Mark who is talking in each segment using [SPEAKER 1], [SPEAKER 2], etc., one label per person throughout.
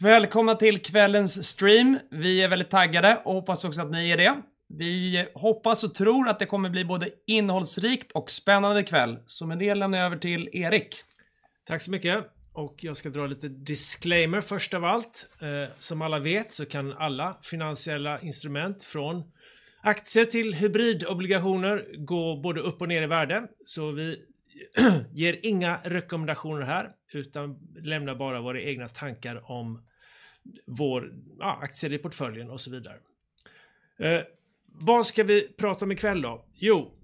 [SPEAKER 1] Välkomna till kvällens stream! Vi är väldigt taggade och hoppas också att ni är det. Vi hoppas och tror att det kommer bli både innehållsrikt och spännande i kväll. Med det lämnar jag över till Erik. Tack så mycket och jag ska dra lite disclaimer först av allt. Som alla vet så kan alla finansiella instrument från aktier till hybridobligationer gå både upp och ner i värde. Vi ger inga rekommendationer här, utan lämnar bara våra egna tankar om vår, ja, aktier i portföljen och så vidare. Vad ska vi prata om i kväll då? Jo,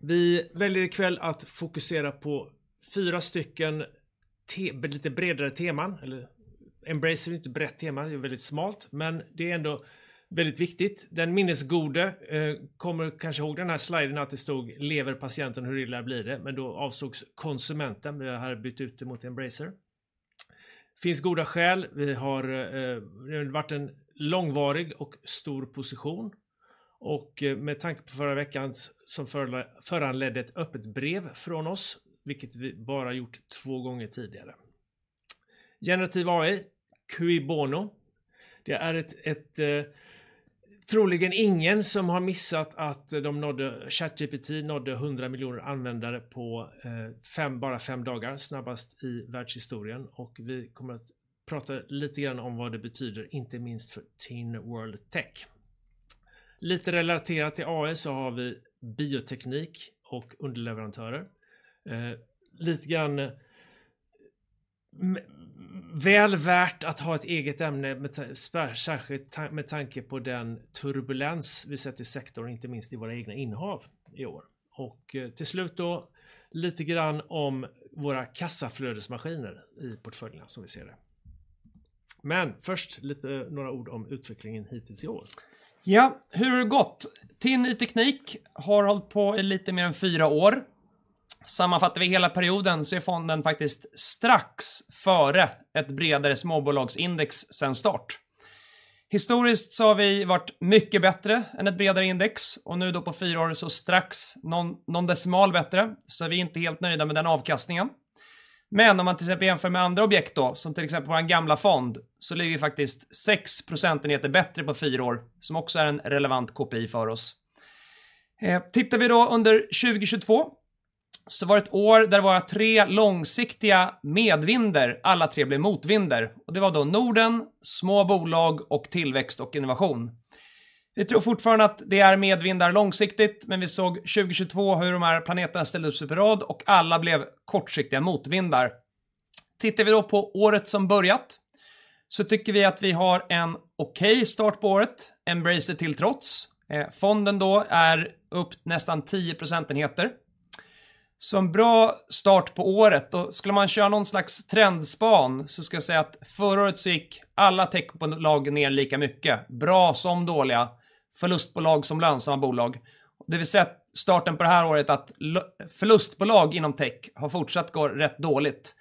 [SPEAKER 1] vi väljer i kväll att fokusera på four stycken te, lite bredare teman. Embracer är inte ett brett tema, det är väldigt smalt, men det är ändå väldigt viktigt. Den minnesgode kommer kanske ihåg den här sliden att det stod: Lever patienten, hur illa blir det? Då avsågs konsumenten. Vi har bytt ut det mot Embracer. Det finns goda skäl. Vi har det har varit en långvarig och stor position och med tanke på förra veckans som föranledde ett öppet brev från oss, vilket vi bara gjort 2 gånger tidigare. Generativ AI, Cui bono? Det är ett troligen ingen som har missat att ChatGPT nådde 100 miljoner användare på bara 5 dagar, snabbast i världshistorien. Vi kommer att prata lite grann om vad det betyder, inte minst för TIN World Tech. Lite relaterat till AI så har vi bioteknik och underleverantörer. Lite grann väl värt att ha ett eget ämne, särskilt med tanke på den turbulens vi sett i sektorn, inte minst i våra egna innehav i år. Till slut då, lite grann om våra kassaflödesmaskiner i portföljerna, som vi ser det. Först lite, några ord om utvecklingen hittills i år. Hur har det gått? TIN Ny Teknik har hållit på i lite mer än 4 år. Sammanfattar vi hela perioden så är fonden faktiskt strax före ett bredare småbolagsindex sedan start. Historiskt så har vi varit mycket bättre än ett bredare index och nu då på 4 år, så strax någon decimal bättre. Vi är inte helt nöjda med den avkastningen. Om man till exempel jämför med andra objekt då, som till exempel vår gamla fond, så ligger vi faktiskt 6 procentenheter bättre på 4 år, som också är en relevant KPI för oss. Tittar vi då under 2022, så var det ett år där våra 3 långsiktiga medvindar, alla 3 blev motvindar. Det var då Norden, små bolag och tillväxt och innovation. Vi tror fortfarande att det är medvindar långsiktigt. Vi såg 2022 hur de här planeterna ställde upp sig på rad och alla blev kortsiktiga motvindar. Tittar vi då på året som börjat, tycker vi att vi har en okej start på året, Embracer till trots. Fonden då är upp nästan 10 percentage points. En bra start på året. Då skulle man köra någon slags trendspan, ska jag säga att förra året gick alla techbolagen ner lika mycket. Bra som dåliga, förlustbolag som lönsamma bolag. Det vi sett starten på det här året att förlustbolag inom tech har fortsatt går rätt dåligt.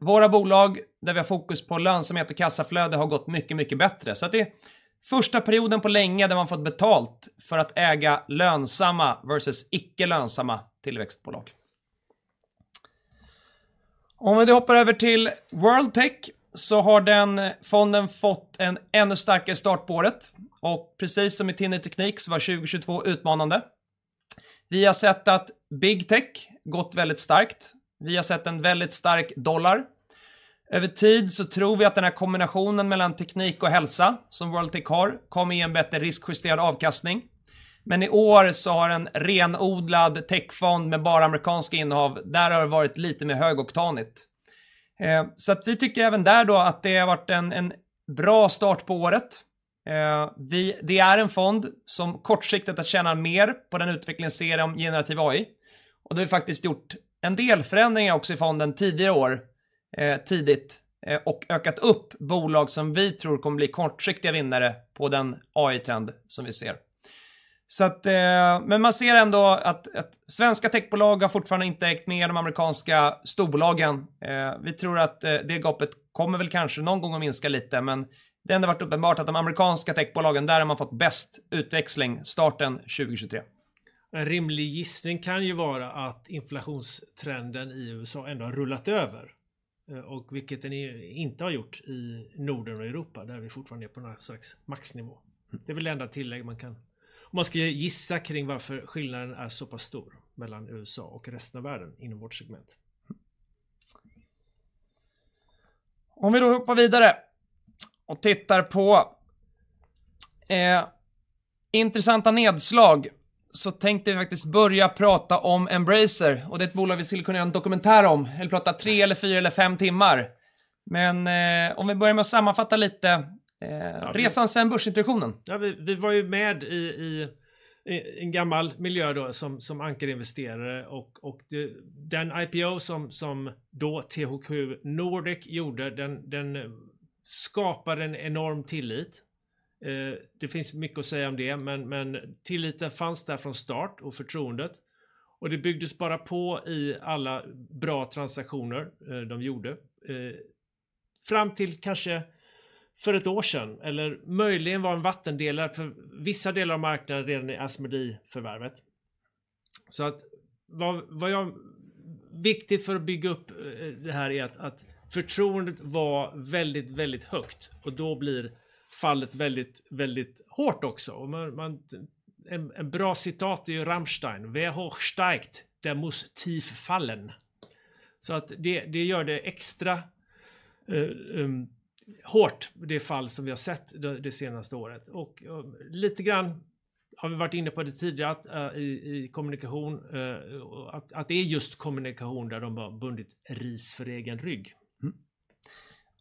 [SPEAKER 1] Våra bolag, där vi har fokus på lönsamhet och kassaflöde, har gått mycket bättre. Det är första perioden på länge där man fått betalt för att äga lönsamma versus icke lönsamma tillväxtbolag. Om vi då hoppar över till World Tech så har den fonden fått en ännu starkare start på året och precis som i TIN Ny Teknik så var 2022 utmanande. Vi har sett att Big Tech gått väldigt starkt. Vi har sett en väldigt stark dollar. Över tid så tror vi att den här kombinationen mellan teknik och hälsa, som World Tech har, kommer ge en bättre riskjusterad avkastning. I år så har en renodlad techfond med bara amerikanska innehav, där har det varit lite mer högoktanigt. Vi tycker även där då att det har varit en bra start på året. Det är en fond som kortsiktigt att tjänar mer på den utvecklingen vi ser om generativ AI. Då har vi faktiskt gjort en del förändringar också i fonden tidigare i år, tidigt, och ökat upp bolag som vi tror kommer bli kortsiktiga vinnare på den AI trend som vi ser. Man ser ändå att svenska techbolag har fortfarande inte hängt med de amerikanska storbolagen. Vi tror att det gapet kommer väl kanske någon gång att minska lite, det har ändå varit uppenbart att de amerikanska techbolagen, där har man fått bäst utväxling, starten 2023. En rimlig gissning kan ju vara att inflationstrenden i USA ändå har rullat över, och vilket den inte har gjort i Norden och Europa, där vi fortfarande är på något slags maxnivå. Det är väl det enda tillägg man kan... Om man ska gissa kring varför skillnaden är så pass stor mellan USA och resten av världen inom vårt segment. Om vi då hoppar vidare och tittar på intressanta nedslag, så tänkte vi faktiskt börja prata om Embracer och det är ett bolag vi skulle kunna göra en dokumentär om. Prata tre eller fyra eller fem timmar. Om vi börjar med att sammanfatta lite resan sedan börsintroduktionen. Ja, vi var ju med i en gammal miljö då, som ankarinvesterare och den IPO som då THQ Nordic gjorde, den skapade en enorm tillit. Det finns mycket att säga om det, men tilliten fanns där från start och förtroendet, och det byggdes bara på i alla bra transaktioner de gjorde. Fram till kanske för ett år sedan, eller möjligen var en vattendelare för vissa delar av marknaden redan i Asmodee-förvärvet. Vad jag, viktigt för att bygga upp det här är att förtroendet var väldigt högt och då blir fallet väldigt hårt också. Man, ett bra citat är ju Rammstein: "Wer hoch steigt, der muss tief fallen." Det gör det extra hårt, det fall som vi har sett det senaste året. Lite grann har vi varit inne på det tidigare att, i kommunikation, att det är just kommunikation där de har bundit ris för egen rygg.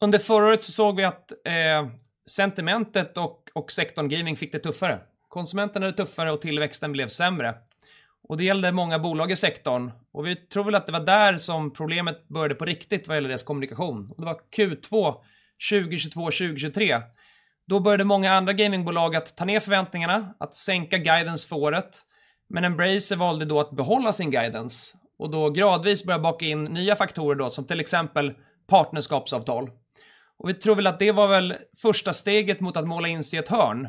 [SPEAKER 1] Under förra året så såg vi att sentimentet och sektorn gaming fick det tuffare. Konsumenten hade tuffare och tillväxten blev sämre. Det gällde många bolag i sektorn och vi tror väl att det var där som problemet började på riktigt vad gäller deras kommunikation. Det var Q2, 2022, 2023. Då började många andra gamingbolag att ta ner förväntningarna, att sänka guidance för året. Embracer valde då att behålla sin guidance och då gradvis börja baka in nya faktorer då, som till exempel partnerskapsavtal. Vi tror väl att det var väl första steget mot att måla in sig i ett hörn.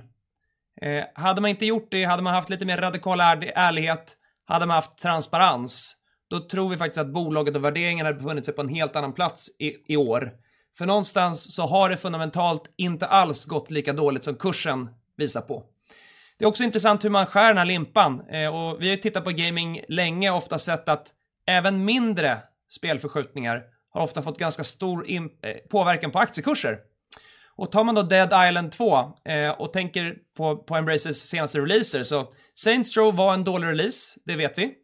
[SPEAKER 1] Hade man inte gjort det, hade man haft lite mer radikal ärlighet, hade man haft transparens, då tror vi faktiskt att bolaget och värderingen hade befunnit sig på en helt annan plats i år. För någonstans så har det fundamentalt inte alls gått lika dåligt som kursen visar på. Det är också intressant hur man skär den här limpan. Vi har tittat på gaming länge och ofta sett att även mindre spelförskjutningar har ofta fått ganska stor påverkan på aktiekurser. Tar man då Dead Island 2 och tänker på Embracers senaste releaser, Saints Row var en dålig release, det vet vi.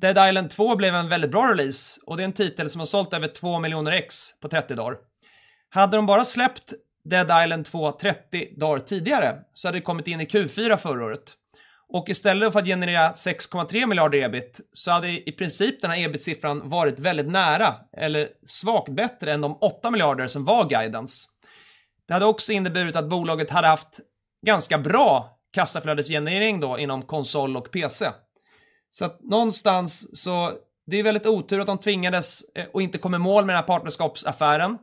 [SPEAKER 1] Dead Island 2 blev en väldigt bra release och det är en titel som har sålt över 2 million ex på 30 dagar. Hade de bara släppt Dead Island 2 30 dagar tidigare, så hade det kommit in i Q4 förra året. Istället för att generera SEK 6.3 billion EBIT, hade i princip den här EBIT-siffran varit väldigt nära eller svagt bättre än de SEK 8 billion som var guidance. Det hade också inneburit att bolaget hade haft ganska bra kassaflödesgenerering då inom konsol och PC. Någonstans, det är väldigt otur att de tvingades och inte kom i mål med den här partnerskapsaffären.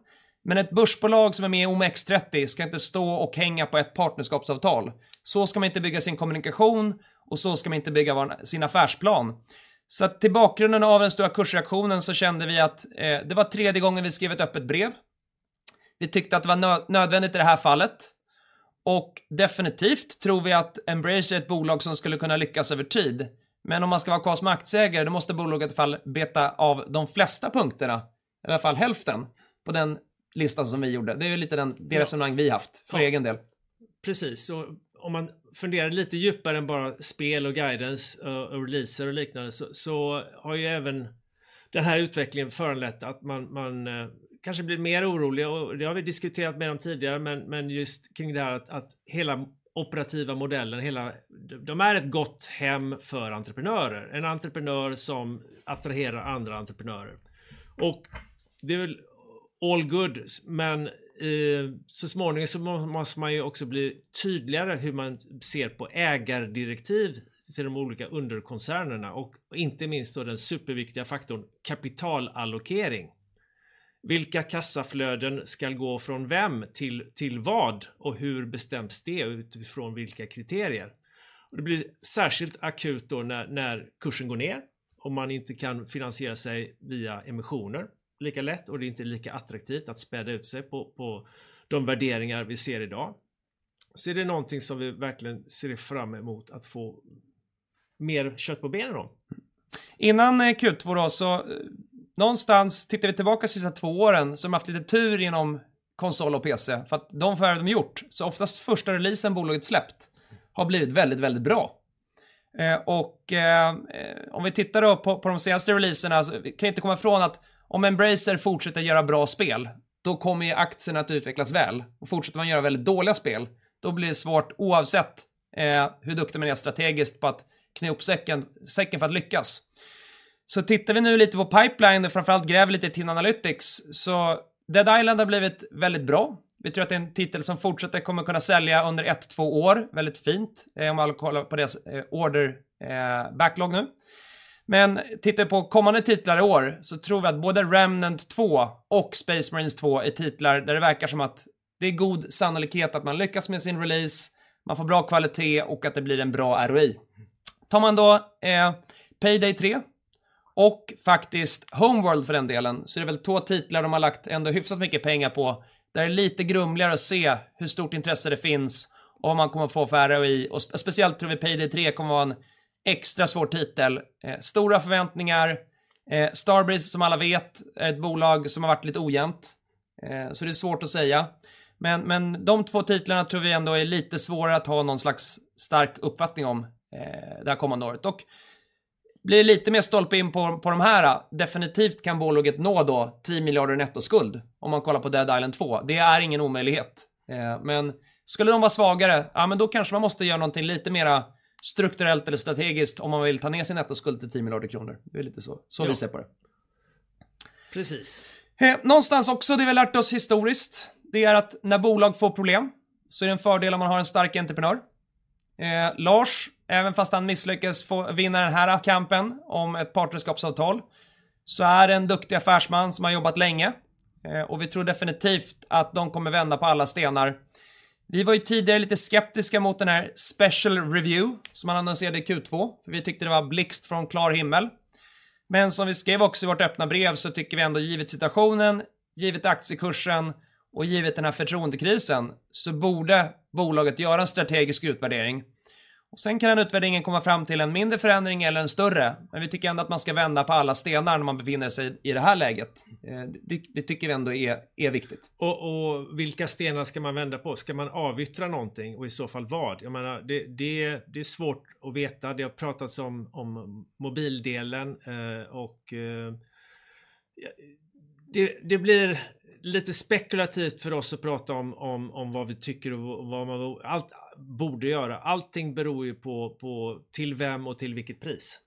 [SPEAKER 1] Ett börsbolag som är med i OMX30 ska inte stå och hänga på ett partnerskapsavtal. Ska man inte bygga sin kommunikation och ska man inte bygga sin affärsplan. Till bakgrunden av den stora kursreaktionen kände vi att det var tredje gången vi skrev ett öppet brev. Vi tyckte att det var nödvändigt i det här fallet och definitivt tror vi att Embracer är ett bolag som skulle kunna lyckas över tid. Om man ska vara kvar som aktieägare, då måste bolaget i alla fall beta av de flesta punkterna, i alla fall hälften, på den listan som vi gjorde. Det är lite den, det resonemang vi haft för egen del. Precis, om man funderar lite djupare än bara spel och guidance och releaser och liknande, så har ju även den här utvecklingen föranlett att man kanske blir mer orolig. Det har vi diskuterat med dem tidigare, men just kring det här att hela operativa modellen, hela. De är ett gott hem för entreprenörer. En entreprenör som attraherar andra entreprenörer. Det är väl all good, men så småningom så måste man ju också bli tydligare hur man ser på ägardirektiv till de olika underkoncernerna och inte minst då den superviktiga faktorn kapitalallokering. Vilka kassaflöden ska gå från vem till vad? Hur bestäms det utifrån vilka kriterier? Det blir särskilt akut då när kursen går ner, om man inte kan finansiera sig via emissioner lika lätt och det är inte lika attraktivt att späda ut sig på de värderingar vi ser i dag. Är det någonting som vi verkligen ser fram emot att få mer kött på benen då? Innan Q2 då, någonstans tittar vi tillbaka de sista 2 åren, har de haft lite tur inom konsol and PC. För att de affärer de har gjort, så oftast första releasen bolaget släppt har blivit väldigt bra. Om vi tittar då på de senaste releaserna, vi kan inte komma ifrån att om Embracer fortsätter göra bra spel, då kommer ju aktien att utvecklas väl. Fortsätter man göra väldigt dåliga spel, då blir det svårt, oavsett hur duktig man är strategiskt på att knipa ihop säcken för att lyckas. Tittar vi nu lite på pipeline och framför allt gräver lite i TIN Analytics, Dead Island har blivit väldigt bra. Vi tror att det är en titel som fortsätter, kommer kunna sälja under 1-2 years. Väldigt fint, om man kollar på deras order backlog nu. Tittar vi på kommande titlar i år, så tror vi att både Remnant II och Space Marines 2 är titlar där det verkar som att det är god sannolikhet att man lyckas med sin release, man får bra kvalitet och att det blir en bra ROI. Tar man då Payday 3 och faktiskt Homeworld för den delen, så är det väl två titlar de har lagt ändå hyfsat mycket pengar på. Det är lite grumligare att se hur stort intresse det finns och om man kommer att få för ROI. Speciellt tror vi Payday 3 kommer vara en extra svår titel. Stora förväntningar, Starbreeze, som alla vet, är ett bolag som har varit lite ojämnt, så det är svårt att säga. De två titlarna tror vi ändå är lite svårare att ha någon slags stark uppfattning om det här kommande året. Blir det lite mer stolpe in på de här, definitivt kan bolaget nå då SEK 10 billion i nettoskuld om man kollar på Dead Island 2. Det är ingen omöjlighet, men skulle de vara svagare, ja men då kanske man måste göra någonting lite mera strukturellt eller strategiskt om man vill ta ner sin nettoskuld till SEK 10 billion. Det är lite så vi ser på det. Precis. Någonstans också, det vi lärt oss historiskt, det är att när bolag får problem, så är det en fördel om man har en stark entreprenör. Lars, även fast han misslyckades få vinna den här kampen om ett partnerskapsavtal, så är det en duktig affärsman som har jobbat länge. Vi tror definitivt att de kommer vända på alla stenar. Vi var ju tidigare lite skeptiska mot den här special review som man annonserade i Q2. Vi tyckte det var blixt från klar himmel. Som vi skrev också i vårt öppna brev, så tycker vi ändå givet situationen, givet aktiekursen och givet den här förtroendekrisen, så borde bolaget göra en strategisk utvärdering. Kan den utvärderingen komma fram till en mindre förändring eller en större, men vi tycker ändå att man ska vända på alla stenar när man befinner sig i det här läget. Det tycker vi ändå är viktigt. Vilka stenar ska man vända på? Ska man avyttra någonting och i så fall vad? Jag menar, det är svårt att veta. Det har pratats om mobildelen. Det blir lite spekulativt för oss att prata om vad vi tycker och vad man allt borde göra. Allting beror ju på till vem och till vilket pris.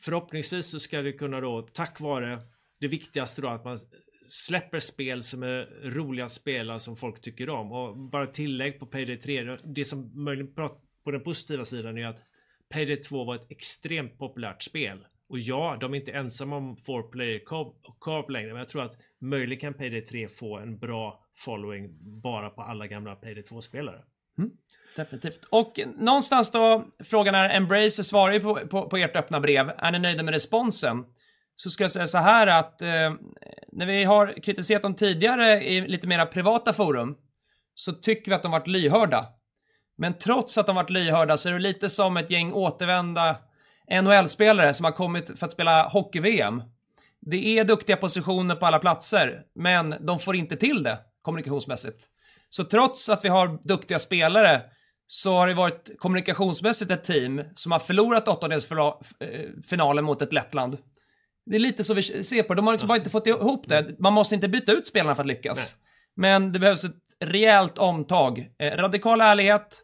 [SPEAKER 1] Förhoppningsvis så ska vi kunna då, tack vare det viktigaste då, att man släpper spel som är roliga att spela, som folk tycker om. Bara ett tillägg på PAYDAY 3, det som möjligen på den positiva sidan är att PAYDAY 2 var ett extremt populärt spel. Ja, de är inte ensamma om 4-player co-op längre, men jag tror att möjligen kan PAYDAY 3 få en bra following bara på alla gamla PAYDAY 2-spelare. Definitivt. Någonstans då, frågan är, Embracer svarar ju på ert öppna brev: Är ni nöjda med responsen? Ska jag säga såhär att när vi har kritiserat dem tidigare i lite mera privata forum, så tycker vi att de varit lyhörda. Trots att de varit lyhörda så är det lite som ett gäng återvända NHL-spelare som har kommit för att spela hockey-VM. Det är duktiga positioner på alla platser, men de får inte till det kommunikationsmässigt. Trots att vi har duktiga spelare, så har det varit kommunikationsmässigt ett team som har förlorat åttondels finalen mot ett Lettland. Det är lite så vi ser på. De har bara inte fått ihop det. Man måste inte byta ut spelarna för att lyckas. Det behövs ett rejält omtag. Radikal ärlighet,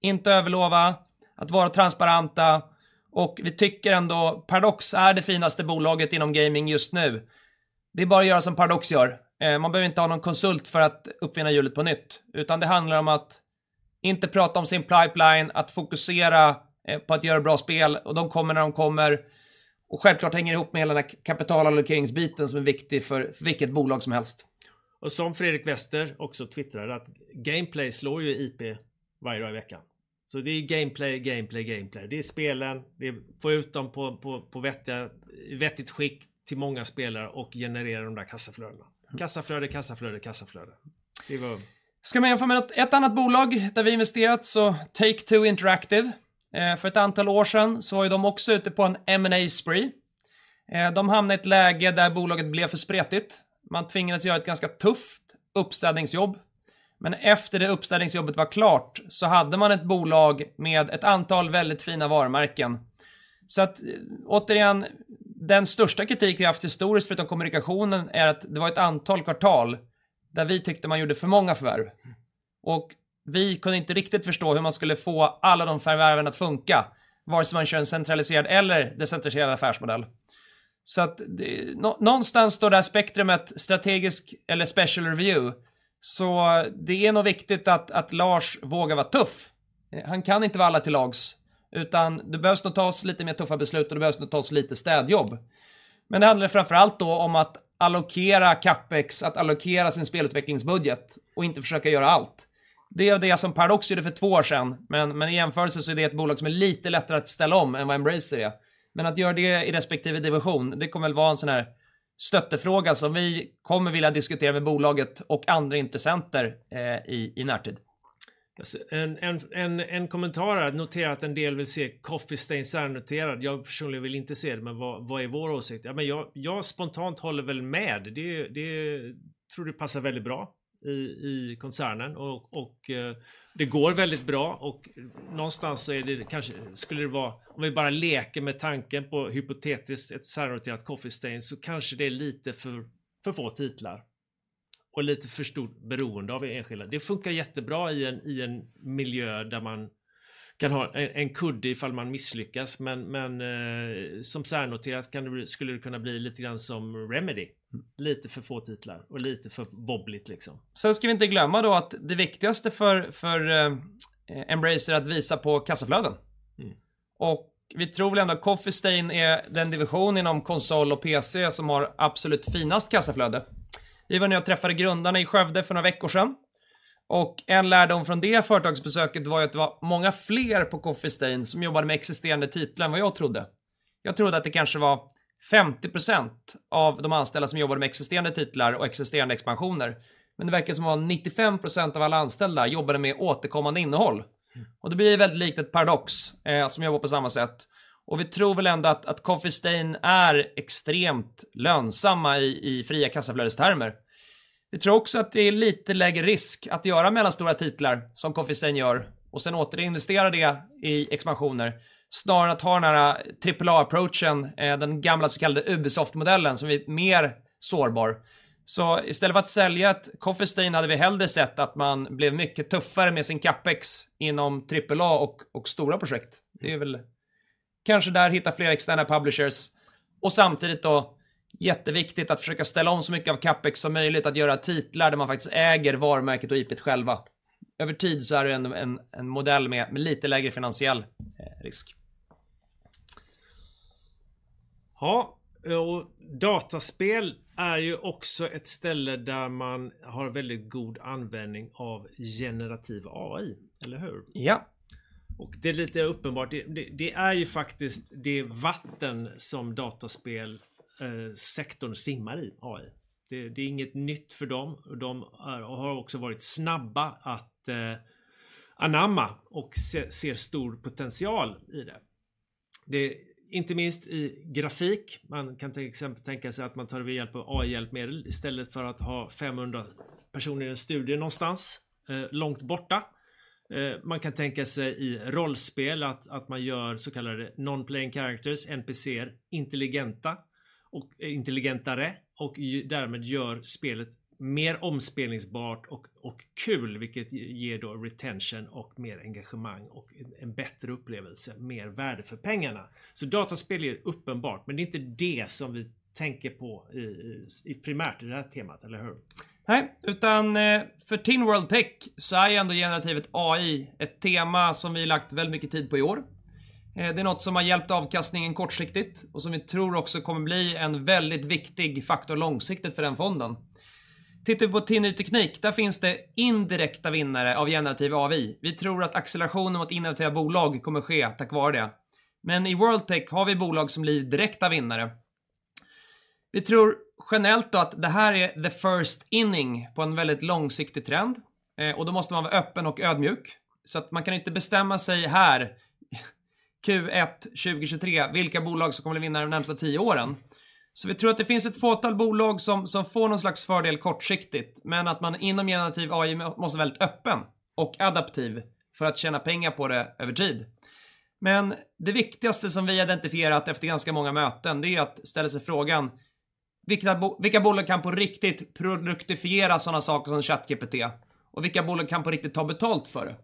[SPEAKER 1] inte överlova, att vara transparenta och vi tycker ändå Paradox är det finaste bolaget inom gaming just nu. Det är bara att göra som Paradox gör. Man behöver inte ha någon konsult för att uppfinna hjulet på nytt, utan det handlar om att inte prata om sin pipeline, att fokusera på att göra bra spel och de kommer när de kommer. Självklart hänger ihop med hela den här kapitalallokeringsbiten som är viktig för vilket bolag som helst. Som Fredrik Wester också twittrade, att gameplay slår ju IP varje dag i veckan. Det är gameplay, gameplay. Det är spelen, det är få ut dem på vettigt skick till många spelare och generera de där kassaflödena. Kassaflöde, kassaflöde. Ska man jämföra med ett annat bolag där vi investerat så, Take-Two Interactive. För ett antal år sedan så var ju de också ute på en M&A spree. De hamnade i ett läge där bolaget blev för spretigt. Man tvingades göra ett ganska tufft uppstädningsjobb, men efter det uppstädningsjobbet var klart så hade man ett bolag med ett antal väldigt fina varumärken. Återigen, den största kritik vi haft historiskt utav kommunikationen är att det var ett antal kvartal där vi tyckte man gjorde för många förvärv. Vi kunde inte riktigt förstå hur man skulle få alla de förvärven att funka, vare sig man kör en centraliserad eller decentraliserad affärsmodell. Någonstans står det här spektrumet strategisk eller special review. Det är nog viktigt att Lars vågar vara tuff. Han kan inte vara alla till lags, utan det behövs nog tas lite mer tuffa beslut och det behövs nog tas lite städjobb. Det handlar framför allt då om att allokera CapEx, att allokera sin spelutvecklingsbudget och inte försöka göra allt. Det är det som Paradox gjorde för två år sedan, men i jämförelse så är det ett bolag som är lite lättare att ställa om än vad Embracer är. Att göra det i respektive division, det kommer väl vara en sån här stöttefråga som vi kommer vilja diskutera med bolaget och andra intressenter, i närtid. En kommentar här. Notera att en del vill se Coffee Stain särnoterat. Jag personligen vill inte se det, men vad är vår åsikt? Ja, men jag spontant håller väl med. Det tror det passar väldigt bra i koncernen och det går väldigt bra och någonstans så är det kanske skulle det vara, om vi bara leker med tanken på hypotetiskt, ett särnoterat Coffee Stain, så kanske det är lite för få titlar och lite för stort beroende av enskilda. Det funkar jättebra i en miljö där man kan ha en kudde ifall man misslyckas, men som särnoterat kan det, skulle det kunna bli lite grann som Remedy. Lite för få titlar och lite för bobbligt, liksom. Ska vi inte glömma då att det viktigaste för Embracer är att visa på kassaflöden. Vi tror väl ändå Coffee Stain är den division inom konsol och PC som har absolut finast kassaflöde. Jag var när jag träffade grundarna i Skövde för några veckor sedan och en lärdom från det företagsbesöket var att det var många fler på Coffee Stain som jobbade med existerande titlar än vad jag trodde. Jag trodde att det kanske var 50% av de anställda som jobbade med existerande titlar och existerande expansioner, men det verkar som om 95% av alla anställda jobbade med återkommande innehåll. Det blir väldigt likt ett Paradox som jobbar på samma sätt. Vi tror väl ändå att Coffee Stain är extremt lönsamma i fria kassaflödestermer. Vi tror också att det är lite lägre risk att göra mellanstora titlar som Coffee Stain gör och sedan återinvestera det i expansioner, snarare än att ha den här trippel A-approachen, den gamla så kallade Ubisoft-modellen, som är mer sårbar. Istället för att sälja ett Coffee Stain hade vi hellre sett att man blev mycket tuffare med sin CapEx inom trippel A och stora projekt. Kanske där hitta fler externa publishers och samtidigt då jätteviktigt att försöka ställa om så mycket av CapEx som möjligt att göra titlar där man faktiskt äger varumärket och IP själva. Över tid är det ändå en modell med lite lägre finansiell risk. Ja, dataspel är ju också ett ställe där man har väldigt god användning av generativ AI, eller hur? Ja. Det är lite uppenbart, det är ju faktiskt det vatten som dataspelsektorn simmar i, AI. Det är inget nytt för dem. De har också varit snabba att anamma och se stor potential i det. Inte minst i grafik. Man kan till exempel tänka sig att man tar hjälp av AI-hjälpmedel istället för att ha 500 personer i en studie någonstans, långt borta. Man kan tänka sig i rollspel att man gör så kallade non-playing characters, NPCs, intelligenta och intelligentare och ju därmed gör spelet mer omspelningsbart och kul, vilket ger då retention och mer engagemang och en bättre upplevelse, mer värde för pengarna. Dataspel är uppenbart, men det är inte det som vi tänker på i primärt i det här temat, eller hur? Nej, utan för TIN World Tech så är ju ändå generative AI, ett tema som vi lagt väldigt mycket tid på i år. Det är något som har hjälpt avkastningen kortsiktigt och som vi tror också kommer bli en väldigt viktig faktor långsiktigt för den fonden. Tittar vi på TIN Ny Teknik, där finns det indirekta vinnare av generative AI. Vi tror att accelerationen mot innovativa bolag kommer ske tack vare det. I World Tech har vi bolag som blir direkta vinnare. Vi tror generellt då att det här är the first inning på en väldigt långsiktig trend, och då måste man vara öppen och ödmjuk. Man kan inte bestämma sig här, Q1 2023, vilka bolag som kommer att vinna de närmaste 10 åren. Vi tror att det finns ett fåtal bolag som får någon slags fördel kortsiktigt, men att man inom generativ AI måste vara väldigt öppen och adaptiv för att tjäna pengar på det över tid. Det viktigaste som vi har identifierat efter ganska många möten, det är att ställa sig frågan: Vilka bolag kan på riktigt produktifiera sådana saker som ChatGPT? Vilka bolag kan på riktigt ta betalt för det?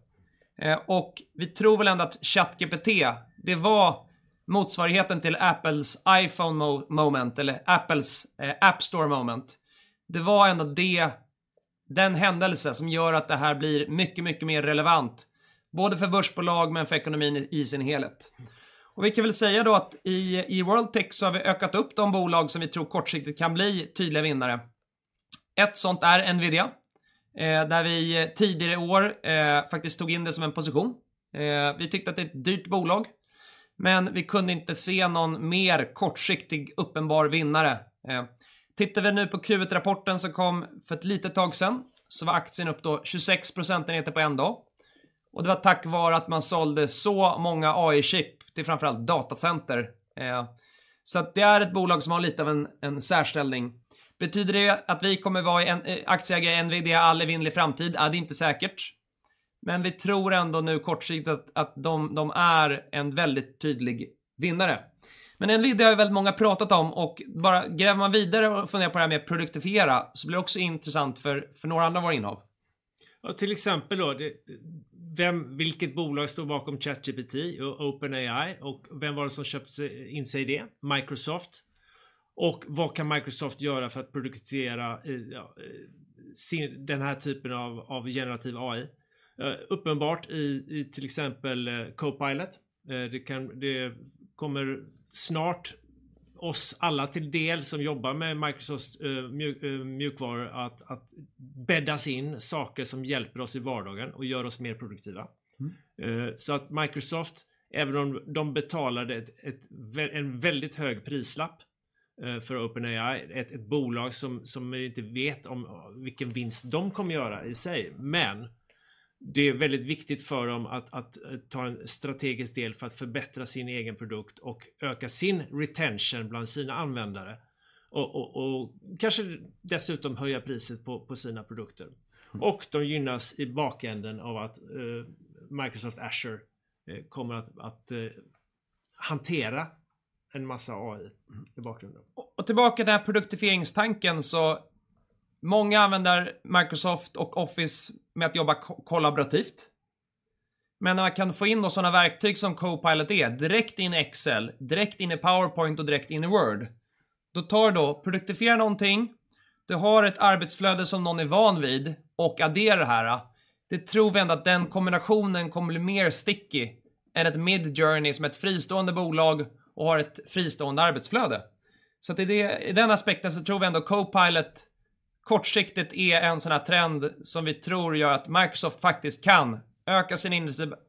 [SPEAKER 1] Vi tror väl ändå att ChatGPT, det var motsvarigheten till Apples iPhone moment eller Apples App Store moment. Det var ändå det, den händelse som gör att det här blir mycket mer relevant, både för börsbolag men för ekonomin i sin helhet. Vi kan väl säga då att i World Tech så har vi ökat upp de bolag som vi tror kortsiktigt kan bli tydliga vinnare. Ett sådant är NVIDIA, där vi tidigare i år faktiskt tog in det som en position. Vi tyckte att det är ett dyrt bolag, men vi kunde inte se någon mer kortsiktig, uppenbar vinnare. Tittar vi nu på Q1-rapporten som kom för ett litet tag sedan, så var aktien upp då 26 procentenheter på en dag. Det var tack vare att man sålde så många AI-chip till framför allt datacenter. Det är ett bolag som har lite av en särställning. Betyder det att vi kommer vara en aktieägare i NVIDIA i all evinnerlig framtid? Nej, det är inte säkert, men vi tror ändå nu kortsiktigt att de är en väldigt tydlig vinnare. Nvidia är väldigt många pratat om och bara gräver man vidare och funderar på det här med att produktifiera, så blir det också intressant för några andra av våra innehav. Till exempel då, vem, vilket bolag står bakom ChatGPT och OpenAI? Vem var det som köpte in sig i det? Microsoft. Vad kan Microsoft göra för att produktifiera den här typen av generativ AI? Uppenbart i till exempel Copilot. Det kan, det kommer snart oss alla till del som jobbar med Microsofts mjukvara, att bäddas in saker som hjälper oss i vardagen och gör oss mer produktiva. Att Microsoft, även om de betalade ett, en väldigt hög prislapp för OpenAI, ett bolag som vi inte vet om vilken vinst de kommer göra i sig. Det är väldigt viktigt för dem att ta en strategisk del för att förbättra sin egen produkt och öka sin retention bland sina användare och, och kanske dessutom höja priset på sina produkter. De gynnas i bakänden av att Microsoft Azure kommer att hantera en massa AI i bakgrunden. Tillbaka till den här produktifieringstanken så många använder Microsoft och Office med att jobba kollaborativt. När man kan få in sådana verktyg som Copilot är, direkt in i Excel, direkt in i PowerPoint och direkt in i Word. Då tar du då, produktifierar någonting, du har ett arbetsflöde som någon är van vid och adderar det här. Det tror vi ändå att den kombinationen kommer bli mer sticky än ett Midjourney som är ett fristående bolag och har ett fristående arbetsflöde. I det, i den aspekten så tror vi ändå Copilot kortsiktigt är en sådan här trend som vi tror gör att Microsoft faktiskt kan öka sin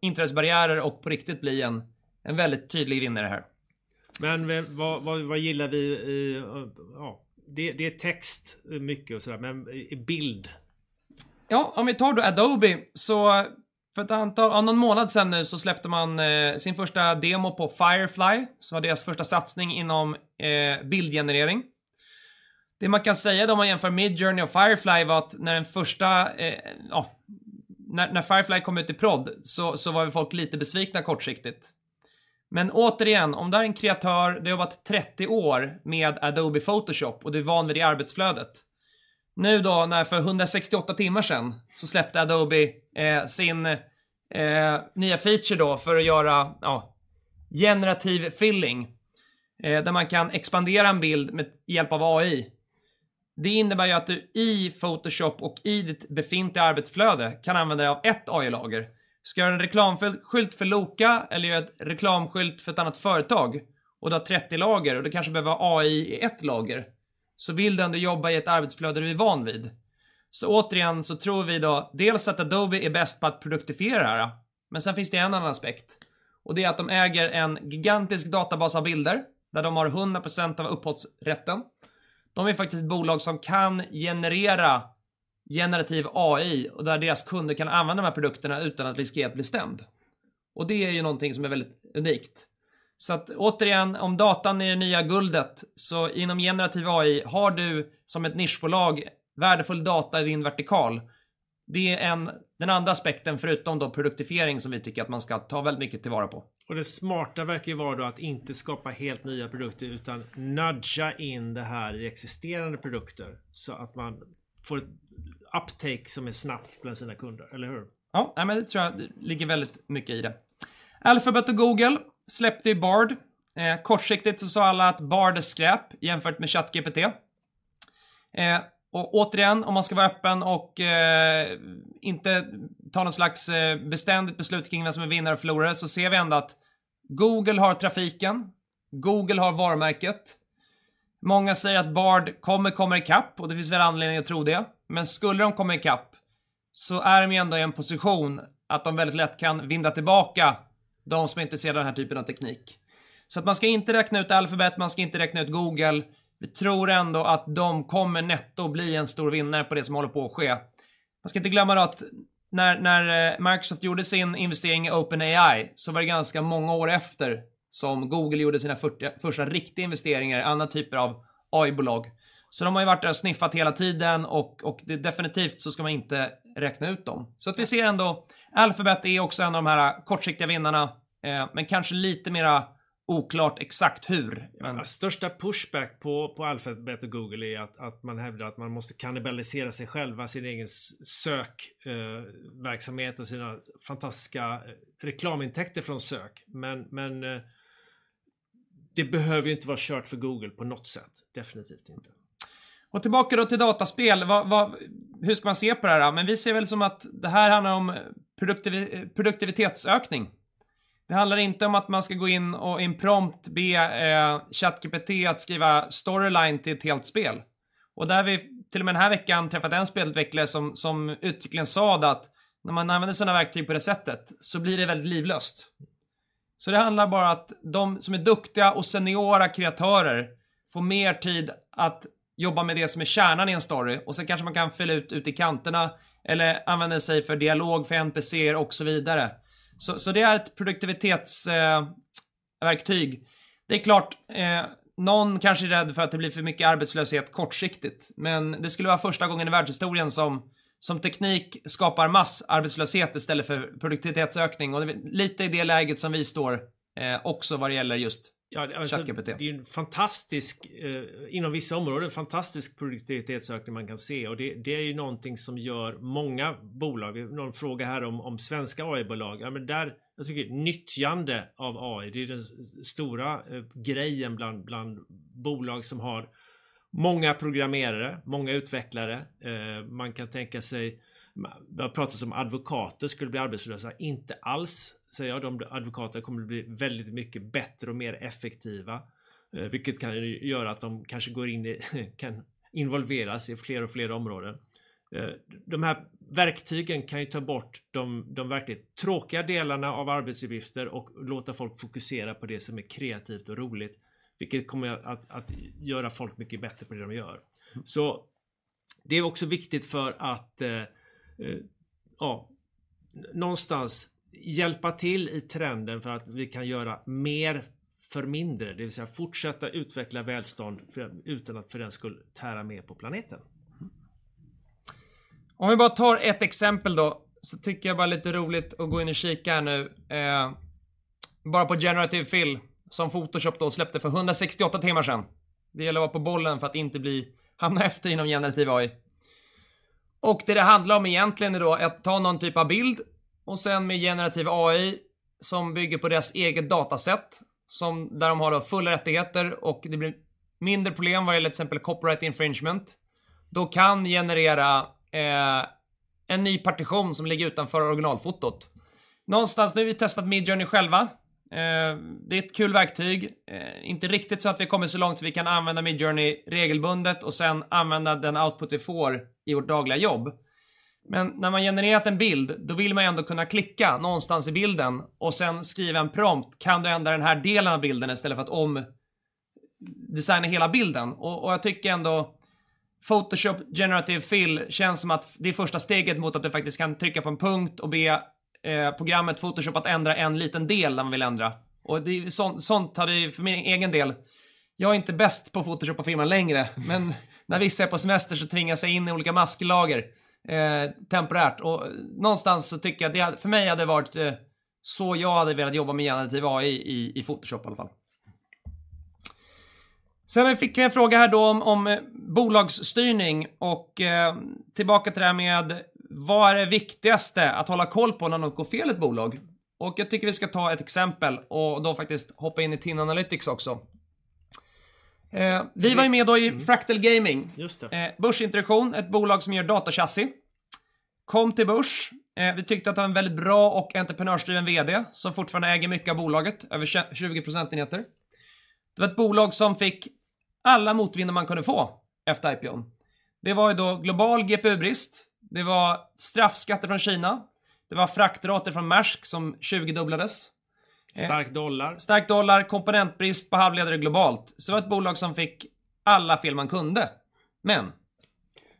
[SPEAKER 1] intressebarriärer och på riktigt bli en väldigt tydlig vinnare i det här. Vad gillar vi i, ja, det är text mycket och sådär, men i bild? Ja, om vi tar då Adobe, för ett antal, ja någon månad sedan nu släppte man sin första demo på Firefly, som var deras första satsning inom bildgenerering. Det man kan säga då man jämför Midjourney och Firefly var att när den första, ja, när Firefly kom ut i prodd så var ju folk lite besvikna kortsiktigt. Återigen, om du är en kreatör, du har jobbat 30 år med Adobe Photoshop och du är van vid det arbetsflödet. Nu då, när för 168 timmar sedan, släppte Adobe sin nya feature då för att göra, ja, Generative Fill, där man kan expandera en bild med hjälp av AI. Det innebär ju att du i Photoshop och i ditt befintliga arbetsflöde kan använda dig av ett AI-lager. Ska du göra en reklamskylt för Loka eller göra ett reklamskylt för ett annat företag och du har 30 lager och du kanske behöver ha AI i ett lager, så vill du ändå jobba i ett arbetsflöde du är van vid. Återigen så tror vi då dels att Adobe är bäst på att produktifiera det här, men sen finns det en annan aspekt, och det är att de äger en gigantisk databas av bilder där de har 100% av upphovsrätten. De är faktiskt ett bolag som kan generera generativ AI och där deras kunder kan använda de här produkterna utan att riskera att bli stämd. Det är ju någonting som är väldigt unikt. Återigen, om datan är det nya guldet, så inom generativ AI har du som ett nischbolag värdefull data i din vertikal. Det är den andra aspekten, förutom då produktifiering, som vi tycker att man ska ta väldigt mycket tillvara på. Det smarta verkar ju vara då att inte skapa helt nya produkter, utan nudga in det här i existerande produkter så att man får ett uptake som är snabbt bland sina kunder, eller hur? Det tror jag det ligger väldigt mycket i det. Alphabet och Google släppte ju Bard. Kortsiktigt sa alla att Bard är skräp jämfört med ChatGPT. Återigen, om man ska vara öppen och inte ta något slags beständigt beslut kring vem som är vinnare och förlorare, ser vi ändå att Google har trafiken, Google har varumärket. Många säger att Bard kommer i kapp, det finns väl anledning att tro det, men skulle de komma i kapp, är de ändå i en position att de väldigt lätt kan vinda tillbaka de som är intresserade av den här typen av teknik. Man ska inte räkna ut Alphabet, man ska inte räkna ut Google. Vi tror ändå att de kommer netto bli en stor vinnare på det som håller på att ske. Man ska inte glömma då att när Microsoft gjorde sin investering i OpenAI, så var det ganska många år efter som Google gjorde sina första riktiga investeringar i andra typer av AI-bolag. De har ju varit där och sniffat hela tiden och definitivt så ska man inte räkna ut dem. Vi ser ändå, Alphabet är också en av de här kortsiktiga vinnarna, men kanske lite mera oklart exakt hur. Största pushback på Alphabet och Google är att man hävdar att man måste kannibalisera sig själva, sin egen sök verksamhet och sina fantastiska reklamintäkter från sök. Men det behöver ju inte vara kört för Google på något sätt, definitivt inte. Tillbaka då till dataspel. Vad, hur ska man se på det här då? Vi ser väl som att det här handlar om produktivitetsökning. Det handlar inte om att man ska gå in och i en prompt be ChatGPT att skriva storyline till ett helt spel. Där har vi till och med den här veckan träffat en spelutvecklare som uttryckligen sa att när man använder sådana verktyg på det sättet, så blir det väldigt livlöst. Det handlar bara om att de som är duktiga och seniora kreatörer får mer tid att jobba med det som är kärnan i en story och sen kanske man kan fylla ut i kanterna eller använda sig för dialog, för NPC och så vidare. Det är ett produktivitetsverktyg. Det är klart, någon kanske är rädd för att det blir för mycket arbetslöshet kortsiktigt, men det skulle vara första gången i världshistorien som teknik skapar massarbetslöshet istället för produktivitetsökning. Lite i det läget som vi står, också vad det gäller just ChatGPT. Ja, det är ju en fantastisk, inom vissa områden, fantastisk produktivitetsökning man kan se. Det är ju någonting som gör många bolag. Någon fråga här om svenska AI-bolag. Där jag tycker nyttjande av AI, det är den stora grejen bland bolag som har många programmerare, många utvecklare. Man kan tänka sig, det pratas om advokater skulle bli arbetslösa. Inte alls, säger jag, de advokaterna kommer att bli väldigt mycket bättre och mer effektiva, vilket kan göra att de kanske går in i, kan involveras i fler och fler områden. De här verktygen kan ju ta bort de verkligt tråkiga delarna av arbetsuppgifter och låta folk fokusera på det som är kreativt och roligt, vilket kommer att göra folk mycket bättre på det de gör. Det är också viktigt för att, ja, någonstans hjälpa till i trenden för att vi kan göra mer för mindre. Det vill säga fortsätta utveckla välstånd utan att för den skull tära mer på planeten. Vi bara tar ett exempel då, tycker jag det är bara lite roligt att gå in och kika här nu, bara på Generative Fill, som Photoshop då släppte för 168 timmar sedan. Det gäller att vara på bollen för att inte hamna efter inom generativ AI. Det handlar om egentligen är då att ta någon typ av bild och sedan med generativ AI, som bygger på deras eget dataset, där de har då fulla rättigheter och det blir mindre problem vad gäller exempel copyright infringement, då kan generera en ny partition som ligger utanför originalfotot. Någonstans, nu vi testat Midjourney själva. Det är ett kul verktyg, inte riktigt så att vi kommit så långt så vi kan använda Midjourney regelbundet och sedan använda den output vi får i vårt dagliga jobb. När man genererat en bild, då vill man ju ändå kunna klicka någonstans i bilden och sedan skriva en prompt: Kan du ändra den här delen av bilden istället för att om-designa hela bilden? Jag tycker ändå Photoshop Generative Fill känns som att det är första steget mot att du faktiskt kan trycka på en punkt och be programmet Photoshop att ändra en liten del när man vill ändra. Det, sådant tar vi för min egen del. Jag är inte bäst på Photoshop och Filma längre, men när vissa är på semester så tvingas jag in i olika masklager, temporärt och någonstans så tycker jag att det, för mig hade det varit så jag hade velat jobba med generativ AI i Photoshop i alla fall. Sen fick jag en fråga här då om bolagsstyrning och tillbaka till det här med: Vad är det viktigaste att hålla koll på när något går fel i ett bolag? Jag tycker vi ska ta ett exempel och då faktiskt hoppa in i TIN Analytics också. Vi var med då i Fractal Gaming. Just det. Börsintroduktion, ett bolag som gör datorchassi. Kom till börs. Eh, vi tyckte att det var en väldigt bra och entreprenörsdriven VD som fortfarande äger mycket av bolaget, över tjugo procentenheter. Det var ett bolag som fick alla motvindar man kunde få efter IPOn. Det var ju då global GPU-brist, det var straffskatter från Kina, det var fraktrater från Maersk som tjugodubblades. Stark dollar. Stark dollar, komponentbrist, på halvledare globalt. Det var ett bolag som fick alla fel man kunde.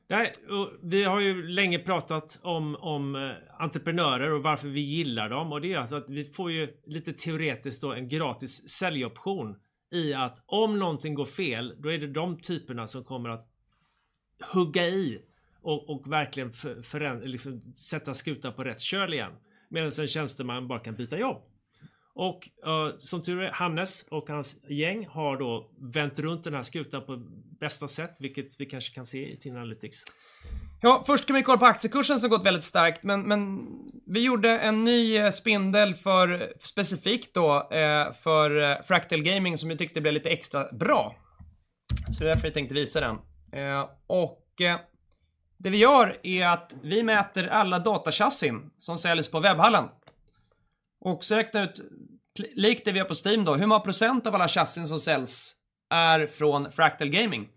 [SPEAKER 1] Nej, vi har ju länge pratat om entreprenörer och varför vi gillar dem. Det är alltså att vi får ju lite teoretiskt då en gratis säljoption i att om någonting går fel, då är det de typerna som kommer att hugga i och verkligen liksom sätta skutan på rätt köl igen. Medans en tjänsteman bara kan byta jobb. Som tur är, Hannes och hans gäng har då vänt runt den här skutan på bästa sätt, vilket vi kanske kan se i TIN Analytics. Först kan vi kolla på aktiekursen som har gått väldigt starkt, men vi gjorde en ny spindel för, specifikt då, för Fractal Gaming, som vi tyckte blev lite extra bra. Därför tänkte jag visa den. Det vi gör är att vi mäter alla datachassin som säljs på Webhallen och så räknar ut, likt det vi gör på Steam då, hur många % av alla chassin som säljs är från Fractal Gaming.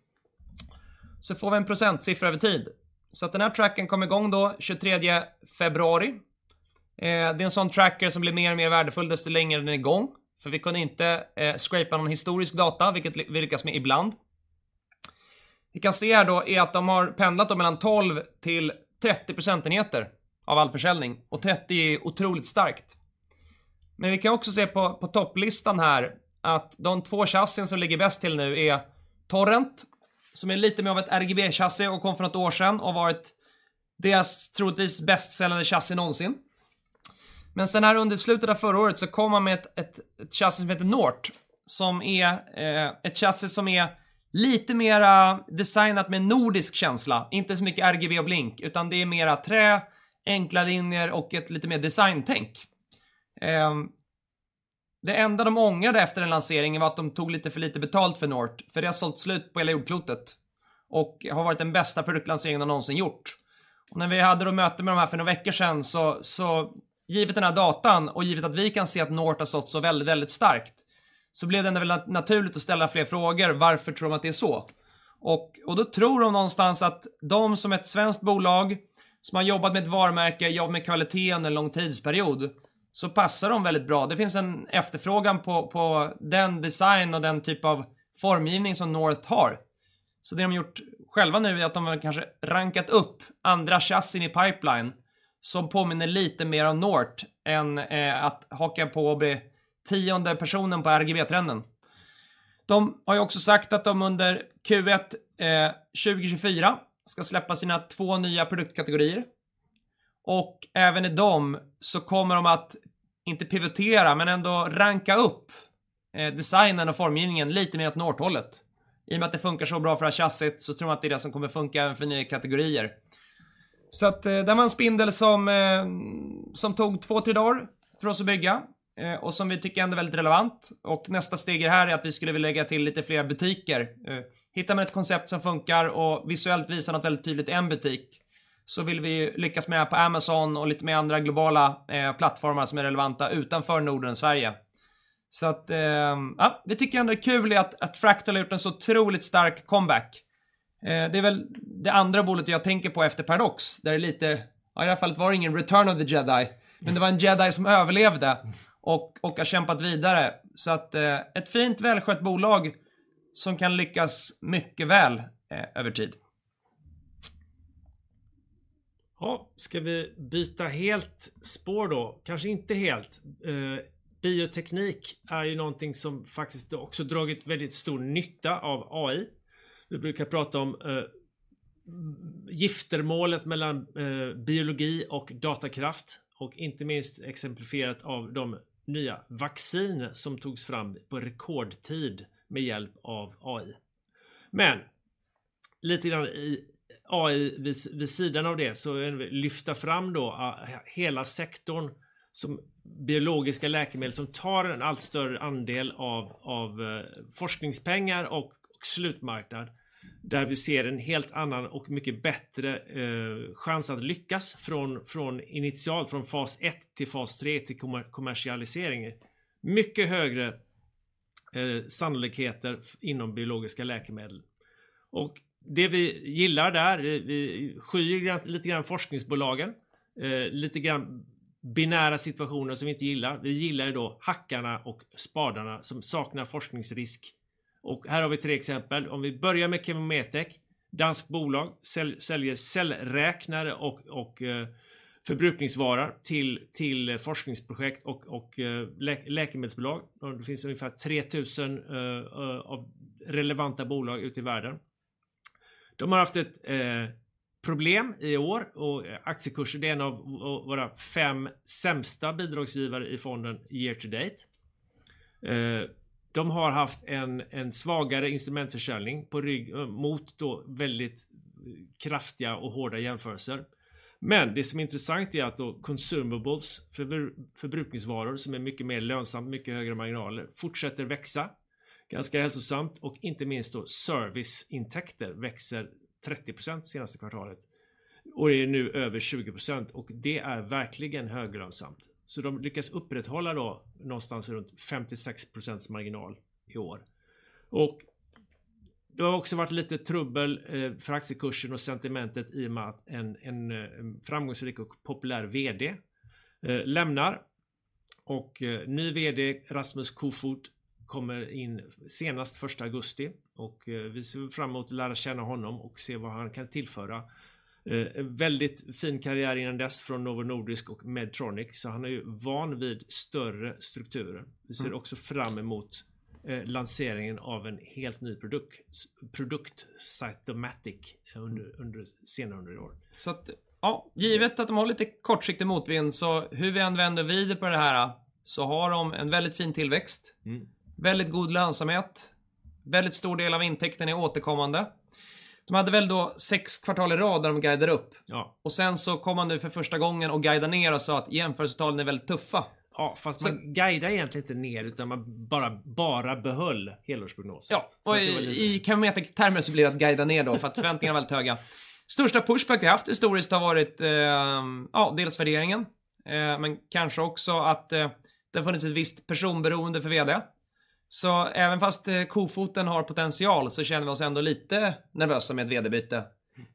[SPEAKER 1] Får vi en procentsiffra över tid. Den här tracken kom i gång då 23rd February. Det är en sådan tracker som blir mer och mer värdefull desto längre den är i gång, för vi kunde inte scrapea någon historisk data, vilket vi lyckas med ibland. Vi kan se här då är att de har pendlat mellan 12 till 30 procentenheter av all försäljning, och 30 är otroligt starkt. Vi kan också se på topplistan här att de two chassin som ligger bäst till nu är Torrent, som är lite mer av ett RGB-chassi och kom för något år sedan och har varit deras troligtvis bäst säljande chassi någonsin. Sen här under slutet av förra året så kom man med ett chassi som heter North, som är ett chassi som är lite mera designat med nordisk känsla. Inte så mycket RGB och blink, utan det är mera trä, enklare linjer och ett lite mer designtänk. Det enda de ångrade efter den lanseringen var att de tog lite för lite betalt för North, för det har sålt slut på hela jordklotet och har varit den bästa produktlanseringen de någonsin gjort. När vi hade då möte med de här för några veckor sedan, så givet den här datan och givet att vi kan se att North har stått så väldigt starkt, så blev det naturligt att ställa fler frågor. Varför tror de att det är så? Då tror de någonstans att de som ett svenskt bolag, som har jobbat med ett varumärke, jobbat med kvalitet under en lång tidsperiod, så passar de väldigt bra. Det finns en efterfrågan på den design och den typ av formgivning som North har. Det de har gjort själva nu är att de har kanske rankat upp andra chassin i pipeline, som påminner lite mer om North än att haka på och bli 10th personen på RGB-trenden. De har ju också sagt att de under Q1 2024 ska släppa sina two nya produktkategorier och även i dem så kommer de att, inte pivotera, men ändå ranka upp designen och formgivningen lite mer åt North-hållet. I och med att det funkar så bra för det här chassit, så tror man att det är det som kommer funka även för nya kategorier. Det här var en spindel som som tog two, three dagar för oss att bygga och som vi tycker är väldigt relevant. Nästa steg i det här är att vi skulle vilja lägga till lite flera butiker. Hitta med ett koncept som funkar och visuellt visar något väldigt tydligt en butik, så vill vi lyckas med det på Amazon och lite med andra globala plattformar som är relevanta utanför Norden, Sverige. Ja, vi tycker ändå det är kul att Fractal har gjort en så otroligt stark comeback. Det är väl det andra bolaget jag tänker på efter Paradox. Ja, i alla fall var det ingen Return of the Jedi, men det var en Jedi som överlevde och har kämpat vidare. Ett fint, välskött bolag som kan lyckas mycket väl över tid. Jaha, ska vi byta helt spår då? Kanske inte helt. bioteknik är ju någonting som faktiskt också dragit väldigt stor nytta av AI. Vi brukar prata om giftermålet mellan biologi och datakraft, och inte minst exemplifierat av de nya vaccinen som togs fram på rekordtid med hjälp av AI. Men lite grann i AI, vid sidan av det, så vill vi lyfta fram då att hela sektorn som biologiska läkemedel, som tar en allt större andel av forskningspengar och slutmarknad, där vi ser en helt annan och mycket bättre chans att lyckas från phase I till phase III till kommersialisering. Mycket högre sannolikheter inom biologiska läkemedel. Och det vi gillar där, vi skyr lite grann forskningsbolagen, lite grann binära situationer som vi inte gillar. Vi gillar ju då hackarna och spadarna som saknar forskningsrisk. Och här har vi three exempel. Vi börjar med ChemoMetec, danskt bolag, säljer cellräknare och förbrukningsvaror till forskningsprojekt och läkemedelsbolag. Det finns ungefär 3,000 av relevanta bolag ute i världen. De har haft ett problem i år och aktiekursen, det är en av våra 5 sämsta bidragsgivare i fonden year to date. De har haft en svagare instrumentförsäljning på rygg mot då väldigt kraftiga och hårda jämförelser. Det som är intressant är att då consumables för förbrukningsvaror, som är mycket mer lönsamt, mycket högre marginaler, fortsätter växa ganska hälsosamt och inte minst då serviceintäkter växer 30% senaste kvartalet och är nu över 20%. Det är verkligen höglönsamt. De lyckas upprätthålla då någonstans runt 50%-60% marginal i år. Det har också varit lite trubbel för aktiekursen och sentimentet i och med att en framgångsrik och populär VD lämnar. Ny VD, Rasmus Kofoed, kommer in senast första augusti och vi ser fram emot att lära känna honom och se vad han kan tillföra. Väldigt fin karriär innan dess från Novo Nordisk och Medtronic, så han är ju van vid större strukturer. Vi ser också fram emot, lanseringen av en helt ny produkt, Cytomatic, under senare under år. Ja, givet att de har lite kortsiktig motvind, så hur vi än vänder och vrider på det här, så har de en väldigt fin tillväxt. Mm. Väldigt god lönsamhet, väldigt stor del av intäkten är återkommande. De hade väl då sex kvartal i rad där de guidade upp. Ja. Kom man nu för första gången och guidade ner och sa att jämförelsetalen är väldigt tuffa. Ja, fast man guidar egentligen inte ner, utan man bara behöll helårsprognosen. I ChemoMetec-termen blir det att guida ner då, för att förväntningarna är väldigt höga. Största pushback vi haft historiskt har varit, dels värderingen, men kanske också att det har funnits ett visst personberoende för VD. Även fast Kofoed har potential så känner vi oss ändå lite nervösa med ett VD-byte.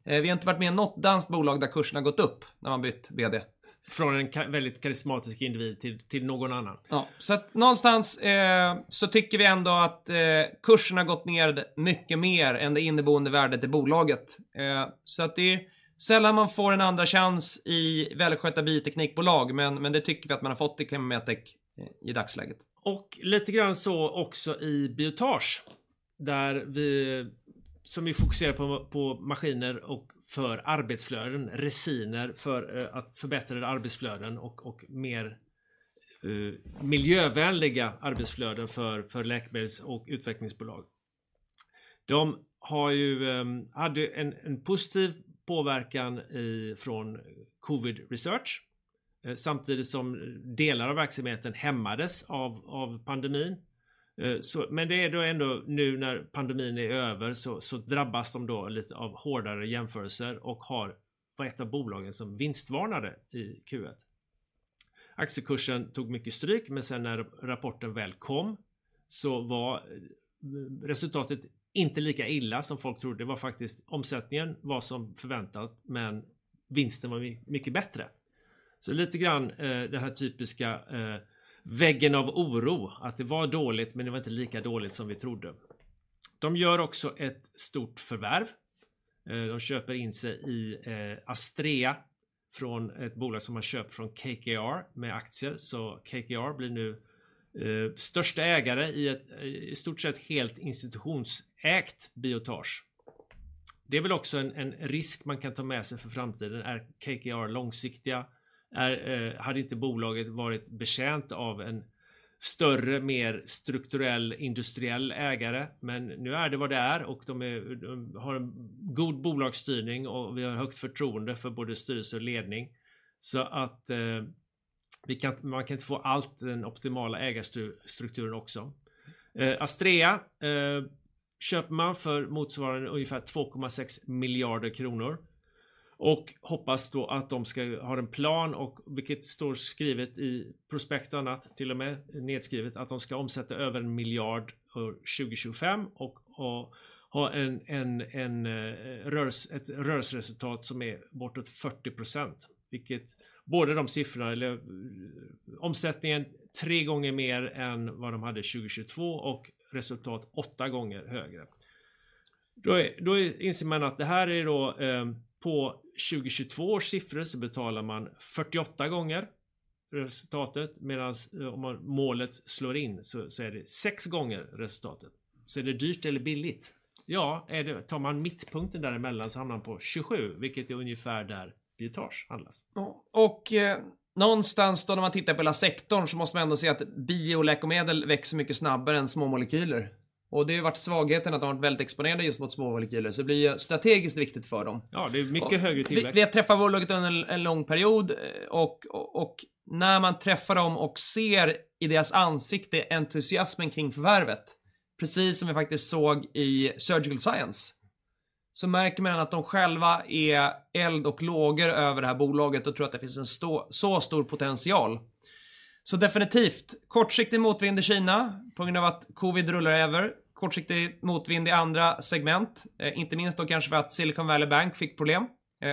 [SPEAKER 1] Vi har inte varit med i något danskt bolag där kursen har gått upp när man bytt VD. Från en väldigt karismatisk individ till någon annan. Någonstans tycker vi ändå att kursen har gått ner mycket mer än det inneboende värdet i bolaget. Det är sällan man får en andra chans i välskötta bioteknikbolag, men det tycker vi att man har fått i ChemoMetec i dagsläget. Lite grann så också i Biotage, där vi, som vi fokuserar på maskiner och för arbetsflöden, resiner, för att förbättra arbetsflöden och mer miljövänliga arbetsflöden för läkemedels- och utvecklingsbolag. De har ju, hade en positiv påverkan i, från Covid Research, samtidigt som delar av verksamheten hämmades av pandemin. Det är då ändå nu när pandemin är över, så drabbas de då lite av hårdare jämförelser och var ett av bolagen som vinstvarnade i Q1. Aktiekursen tog mycket stryk, sen när rapporten väl kom, så var resultatet inte lika illa som folk trodde. Det var faktiskt omsättningen var som förväntat, vinsten var mycket bättre. Lite grann, det här typiska, väggen av oro, att det var dåligt, det var inte lika dåligt som vi trodde. De gör också ett stort förvärv. De köper in sig i Astrea från ett bolag som man köpt från KKR med aktier. KKR blir nu största ägare i ett i stort sett helt institutionsägt Biotage. Det är väl också en risk man kan ta med sig för framtiden. Är KKR långsiktiga? Hade inte bolaget varit betjänt av en större, mer strukturell industriell ägare, men nu är det vad det är och de har en god bolagsstyrning och vi har högt förtroende för både styrelse och ledning. Man kan inte få allt, den optimala ägarstrukturen också. Astrea köper man för motsvarande ungefär SEK 2.6 billion och hoppas då att de ska ha en plan och vilket står skrivet i prospekt och annat, till och med nedskrivet, att de ska omsätta över SEK 1 billion år 2025 och ha en rörelse, ett rörelseresultat som är bortåt 40%. Omsättningen 3 times more än vad de hade 2022 och resultat 8 times higher. Då inser man att det här är då på 2022 figures så betalar man 48 times the result, medans om målet slår in så är det 6 times the result. Så är det dyrt eller billigt? Ja, tar man mittpunkten däremellan så hamnar man på 27, vilket är ungefär där Biotage handlas. Någonstans då när man tittar på hela sektorn så måste man ändå säga att bioläkemedel växer mycket snabbare än små molekyler. Det har ju varit svagheten att de varit väldigt exponerade just mot små molekyler. Det blir ju strategiskt viktigt för dem. Ja, det är mycket högre tillväxt. Vi har träffat bolaget under en lång period när man träffar dem och ser i deras ansikte entusiasmen kring förvärvet, precis som vi faktiskt såg i Surgical Science, märker man att de själva är eld och lågor över det här bolaget och tror att det finns en stor potential. Definitivt, kortsiktig motvind i Kina på grund av att covid rullar över, kortsiktig motvind i andra segment. Inte minst då kanske för att Silicon Valley Bank fick problem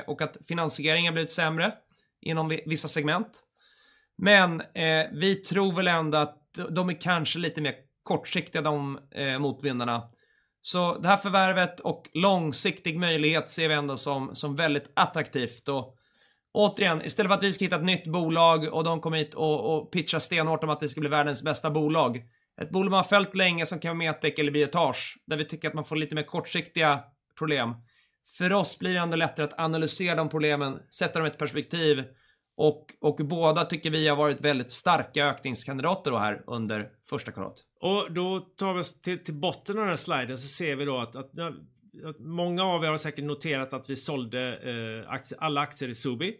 [SPEAKER 1] och att finansieringen blivit sämre inom vissa segment. Vi tror väl ändå att de är kanske lite mer kortsiktiga de motvindarna. Det här förvärvet och långsiktig möjlighet ser vi ändå som väldigt attraktivt. Återigen, istället för att vi ska hitta ett nytt bolag och de kommer hit och pitchar stenhårt om att det ska bli världens bästa bolag. Ett bolag man har följt länge som kan vara Medtech eller Biotage, där vi tycker att man får lite mer kortsiktiga problem. För oss blir det ändå lättare att analysera de problemen, sätta dem i ett perspektiv och båda tycker vi har varit väldigt starka ökningskandidater då här under första kvartal. Då tar vi oss till botten av den här sliden så ser vi att många av er har säkert noterat att vi sålde aktier, alla aktier i Sobi.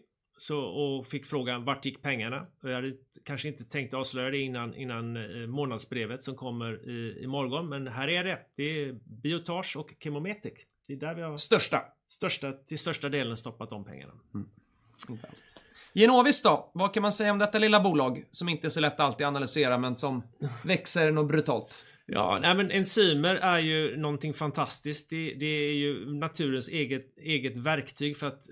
[SPEAKER 1] Fick frågan: Vart gick pengarna? Jag hade kanske inte tänkt avslöja det innan månadsbrevet som kommer i morgon, men här är det. Det är Biotage och ChemoMetec. Det är där vi har. Största. Största, till största delen stoppat om pengarna. Mm. Genovis då, vad kan man säga om detta lilla bolag? Som inte är så lätt alltid att analysera, men som växer nog brutalt. Enzymer är ju någonting fantastiskt. Det är ju naturens eget verktyg för att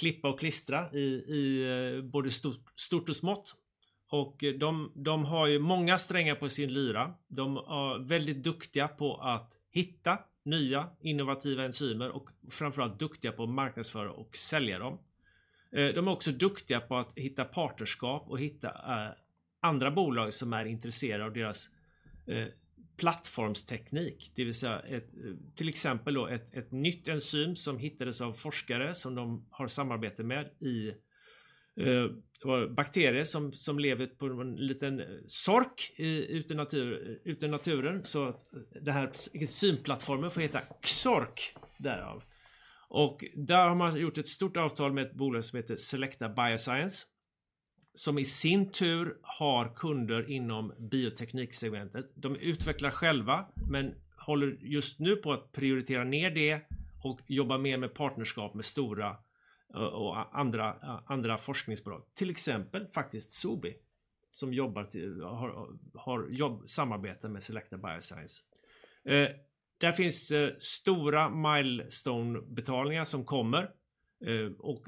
[SPEAKER 1] klippa och klistra i både stort och smått. De har ju många strängar på sin lyra. De är väldigt duktiga på att hitta nya innovativa enzymer och framför allt duktiga på att marknadsföra och sälja dem. De är också duktiga på att hitta partnerskap och hitta andra bolag som är intresserade av deras plattformsteknik. Det vill säga ett, till exempel då ett nytt enzym som hittades av forskare som de har samarbete med i bakterier som lever på en liten sork ute i naturen. Det här enzymplattformen får heta Xork, därav. Där har man gjort ett stort avtal med ett bolag som heter Selecta Biosciences, som i sin tur har kunder inom biotekniksegmentet. De utvecklar själva, men håller just nu på att prioritera ner det och jobba mer med partnerskap med stora och andra forskningsbolag. Till exempel, faktiskt, Sobi, som jobbar, har samarbeten med Selecta Biosciences. Där finns stora milestone-betalningar som kommer, och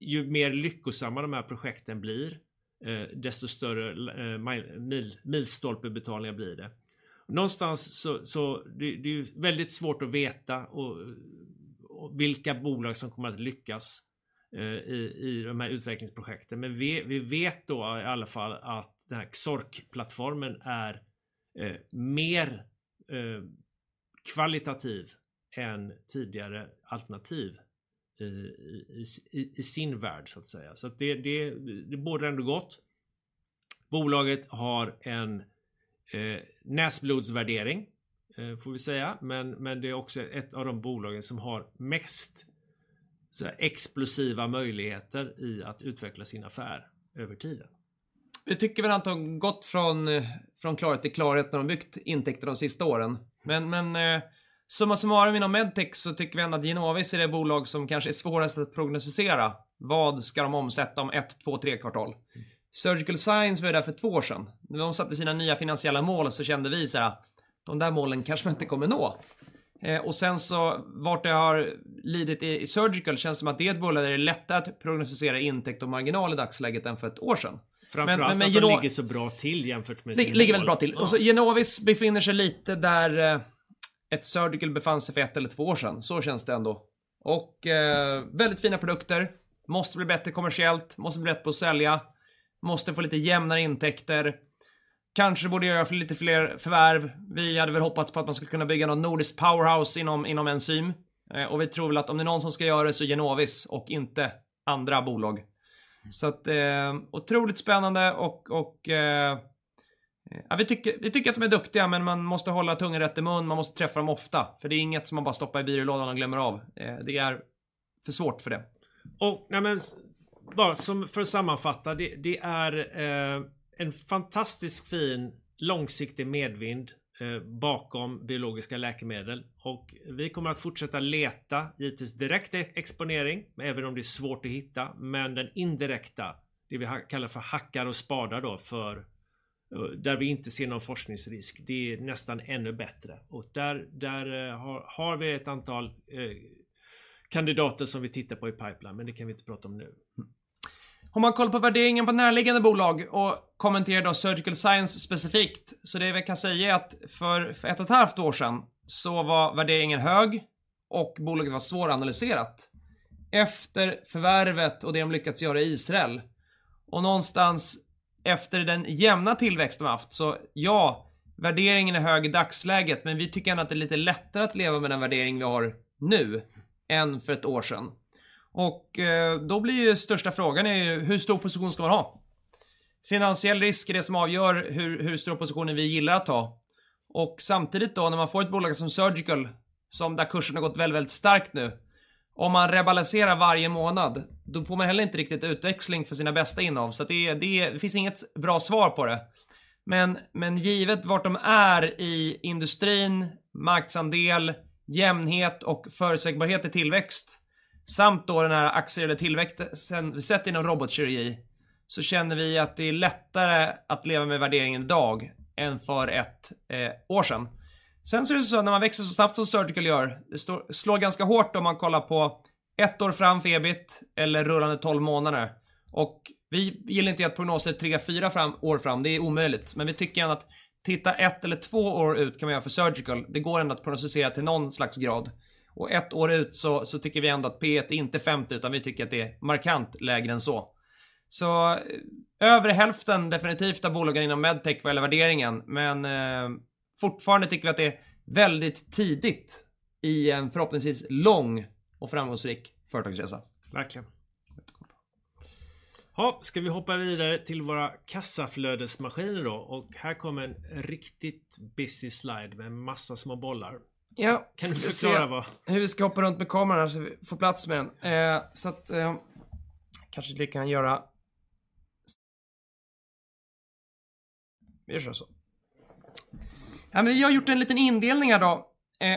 [SPEAKER 1] ju mer lyckosamma de här projekten blir, desto större milstolpebetalningar blir det. Någonstans så det är ju väldigt svårt att veta vilka bolag som kommer att lyckas i de här utvecklingsprojekten. Vi vet då i alla fall att den här Xork-plattformen är mer kvalitativ än tidigare alternativ, i sin värld, så att säga. Det bådar ändå gott. Bolaget har en näsblodsvärdering, får vi säga, men det är också ett av de bolagen som har mest såhär explosiva möjligheter i att utveckla sin affär över tiden. Vi tycker väl att de har gått från klarhet till klarhet när de har byggt intäkter de sista åren. Summa summarum inom Medtech så tycker vi ändå att Genovis är det bolag som kanske är svårast att prognostisera. Vad ska de omsätta om one, two, three kvartal? Surgical Science var ju där för two år sedan. När de satte sina nya finansiella mål så kände vi såhär: de där målen kanske vi inte kommer nå. Vart det har lidit i Surgical känns som att det är ett bolag där det är lättare att prognostisera intäkt och marginal i dagsläget än för one år sedan. Framför allt att de ligger så bra till jämfört med- Ligger väldigt bra till. Genovis befinner sig lite där 1 Surgical befann sig för 1 eller 2 år sedan. Känns det ändå. Väldigt fina produkter. Måste bli bättre kommersiellt, måste bli bättre på att sälja, måste få lite jämnare intäkter. Kanske borde göra lite fler förvärv. Vi hade väl hoppats på att man skulle kunna bygga något nordiskt powerhouse inom enzym. Vi tror väl att om det är någon som ska göra det så är det Genovis och inte andra bolag. Otroligt spännande och. Ja, vi tycker att de är duktiga, men man måste hålla tungan rätt i mun, man måste träffa dem ofta, för det är inget som man bara stoppar i byrålådan och glömmer av. Det är för svårt för det. Nej, men bara som för att sammanfatta, det är en fantastisk fin, långsiktig medvind bakom biologiska läkemedel och vi kommer att fortsätta leta, givetvis direkt exponering, även om det är svårt att hitta. Den indirekta, det vi kallar för hacka och spada då för, där vi inte ser någon forskningsrisk, det är nästan ännu bättre. Där har vi ett antal kandidater som vi tittar på i pipeline, men det kan vi inte prata om nu. Om man kollar på värderingen på närliggande bolag och kommenterar då Surgical Science specifikt, så det vi kan säga är att för 1.5 år sedan så var värderingen hög och bolaget var svåranalyserat. Efter förvärvet och det de lyckats göra i Israel och någonstans efter den jämna tillväxt de har haft, så ja, värderingen är hög i dagsläget, men vi tycker ändå att det är lite lättare att leva med den värdering de har nu än för 1 år sedan. Då blir ju största frågan är ju: hur stor position ska man ha? Finansiell risk är det som avgör hur stor positionen vi gillar att ta. Samtidigt då, när man får ett bolag som Surgical, där kursen har gått väldigt starkt nu. Om man rebalanserar varje månad, då får man heller inte riktigt utväxling för sina bästa innehav. Det finns inget bra svar på det. Givet vart de är i industrin, marknadsandel, jämnhet och förutsägbarhet i tillväxt, samt då den här accelererade tillväxten vi sett inom robotkirurgi, känner vi att det är lättare att leva med värderingen i dag än för 1 år sedan. Det är så att när man växer så snabbt som Surgical gör, det slår ganska hårt om man kollar på 1 år fram för EBIT eller rullande 12 månader. Vi gillar inte att göra prognoser 3, 4 år fram. Det är omöjligt, men vi tycker ändå att titta 1 eller 2 år ut kan man göra för Surgical. Det går ändå att prognostisera till någon slags grad. 1 år ut tycker vi ändå att P/E är inte 50, utan vi tycker att det är markant lägre än så. Över hälften, definitivt, av bolagen inom Medtech vad gäller värderingen, men fortfarande tycker vi att det är väldigt tidigt, i en förhoppningsvis lång och framgångsrik företagsresa. Verkligen! Jättegott. Jaha, ska vi hoppa vidare till våra kassaflödesmaskiner då? Här kommer en riktigt busy slide med en massa små bollar. Ja- Kan du förklara vad? Hur vi ska hoppa runt med kameran här så vi får plats med den. Vi gör så här så. Vi har gjort en liten indelning här då,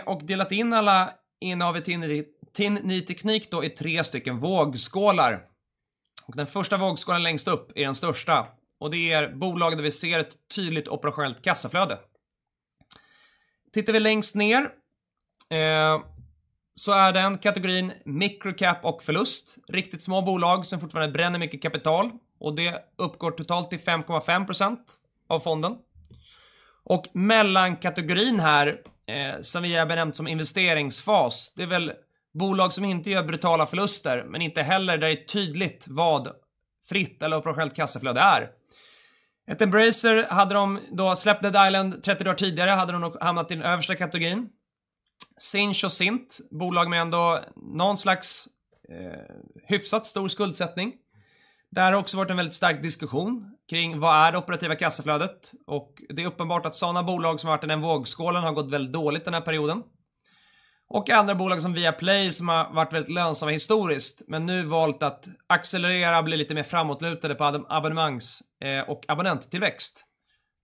[SPEAKER 1] och delat in alla innehav i TIN Ny Teknik då i tre stycken vågskålar. Den första vågskålen längst upp är den största, och det är bolagen där vi ser ett tydligt operationellt kassaflöde. Tittar vi längst ner, så är den kategorin microcap och förlust. Riktigt små bolag som fortfarande bränner mycket kapital och det uppgår totalt till 5.5% av fonden. Mellankategorin här, som vi har benämnt som investeringsfas, det är väl bolag som inte gör brutala förluster, men inte heller det är tydligt vad fritt eller operationellt kassaflöde är. Ett Embracer hade de då släppt Dead Island 30 dagar tidigare, hade de nog hamnat i den översta kategorin. Sinch och Sint, bolag med ändå någon slags, hyfsat stor skuldsättning. Det här har också varit en väldigt stark diskussion kring vad är det operativa kassaflödet? Det är uppenbart att sådana bolag som varit i den vågskålen har gått väldigt dåligt den här perioden. Andra bolag som Viaplay, som har varit väldigt lönsamma historiskt, men nu valt att accelerera och bli lite mer framåtlutade på abonnemangs-, och abonnenttillväxt.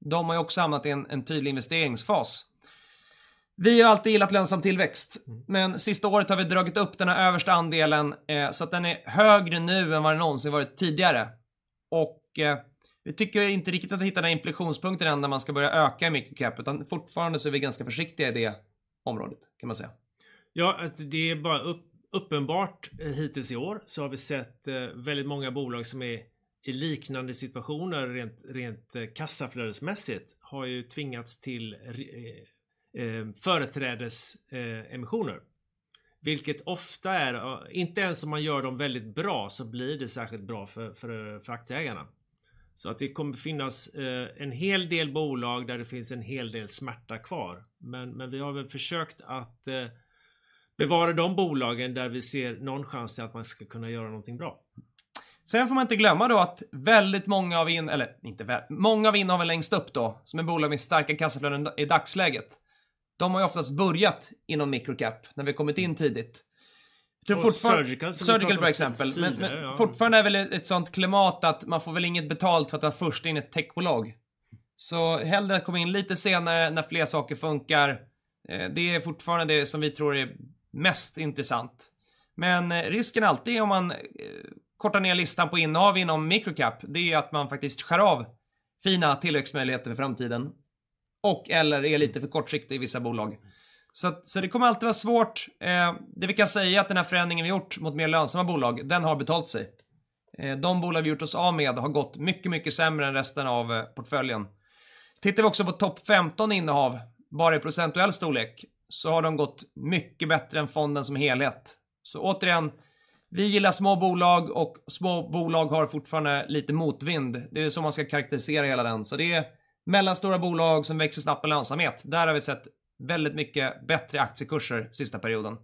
[SPEAKER 1] De har ju också hamnat i en tydlig investeringsfas. Vi har alltid gillat lönsam tillväxt, men sista året har vi dragit upp denna översta andelen, så att den är högre nu än vad den någonsin varit tidigare. Vi tycker inte riktigt att vi hittat den inflationspunkten än där man ska börja öka i microcap, utan fortfarande så är vi ganska försiktiga i det området, kan man säga. Det är bara uppenbart. Hittills i år så har vi sett väldigt många bolag som är i liknande situationer, rent kassaflödesmässigt, har ju tvingats till företrädesemissioner. Ofta är, inte ens om man gör dem väldigt bra, så blir det särskilt bra för aktieägarna. Det kommer finnas en hel del bolag där det finns en hel del smärta kvar. Vi har väl försökt att bevara de bolagen där vi ser någon chans till att man ska kunna göra någonting bra. Får man inte glömma då att väldigt många av innehavaren längst upp då, som är bolag med starka kassaflöden i dagsläget, de har ju oftast börjat inom microcap när vi kommit in tidigt. Surgical, för exempel. Surgical, for example. Fortfarande är väl ett sådant klimat att man får väl inget betalt för att vara först in i ett techbolag. Hellre att komma in lite senare när fler saker funkar. Det är fortfarande det som vi tror är mest intressant. Risken alltid är om man kortar ner listan på innehav inom microcap, det är att man faktiskt skär av fina tillväxtmöjligheter för framtiden och eller är lite för kortsiktig i vissa bolag. Det kommer alltid vara svårt. Det vi kan säga att den här förändringen vi gjort mot mer lönsamma bolag, den har betalt sig. De bolag vi gjort oss av med har gått mycket sämre än resten av portföljen. Tittar vi också på topp 15 innehav, bara i procentuell storlek, så har de gått mycket bättre än fonden som helhet. Återigen, vi gillar små bolag och små bolag har fortfarande lite motvind. Det är så man ska karaktärisera hela den. Det är mellanstora bolag som växer snabbt med lönsamhet. Där har vi sett väldigt mycket bättre aktiekurser sista perioden.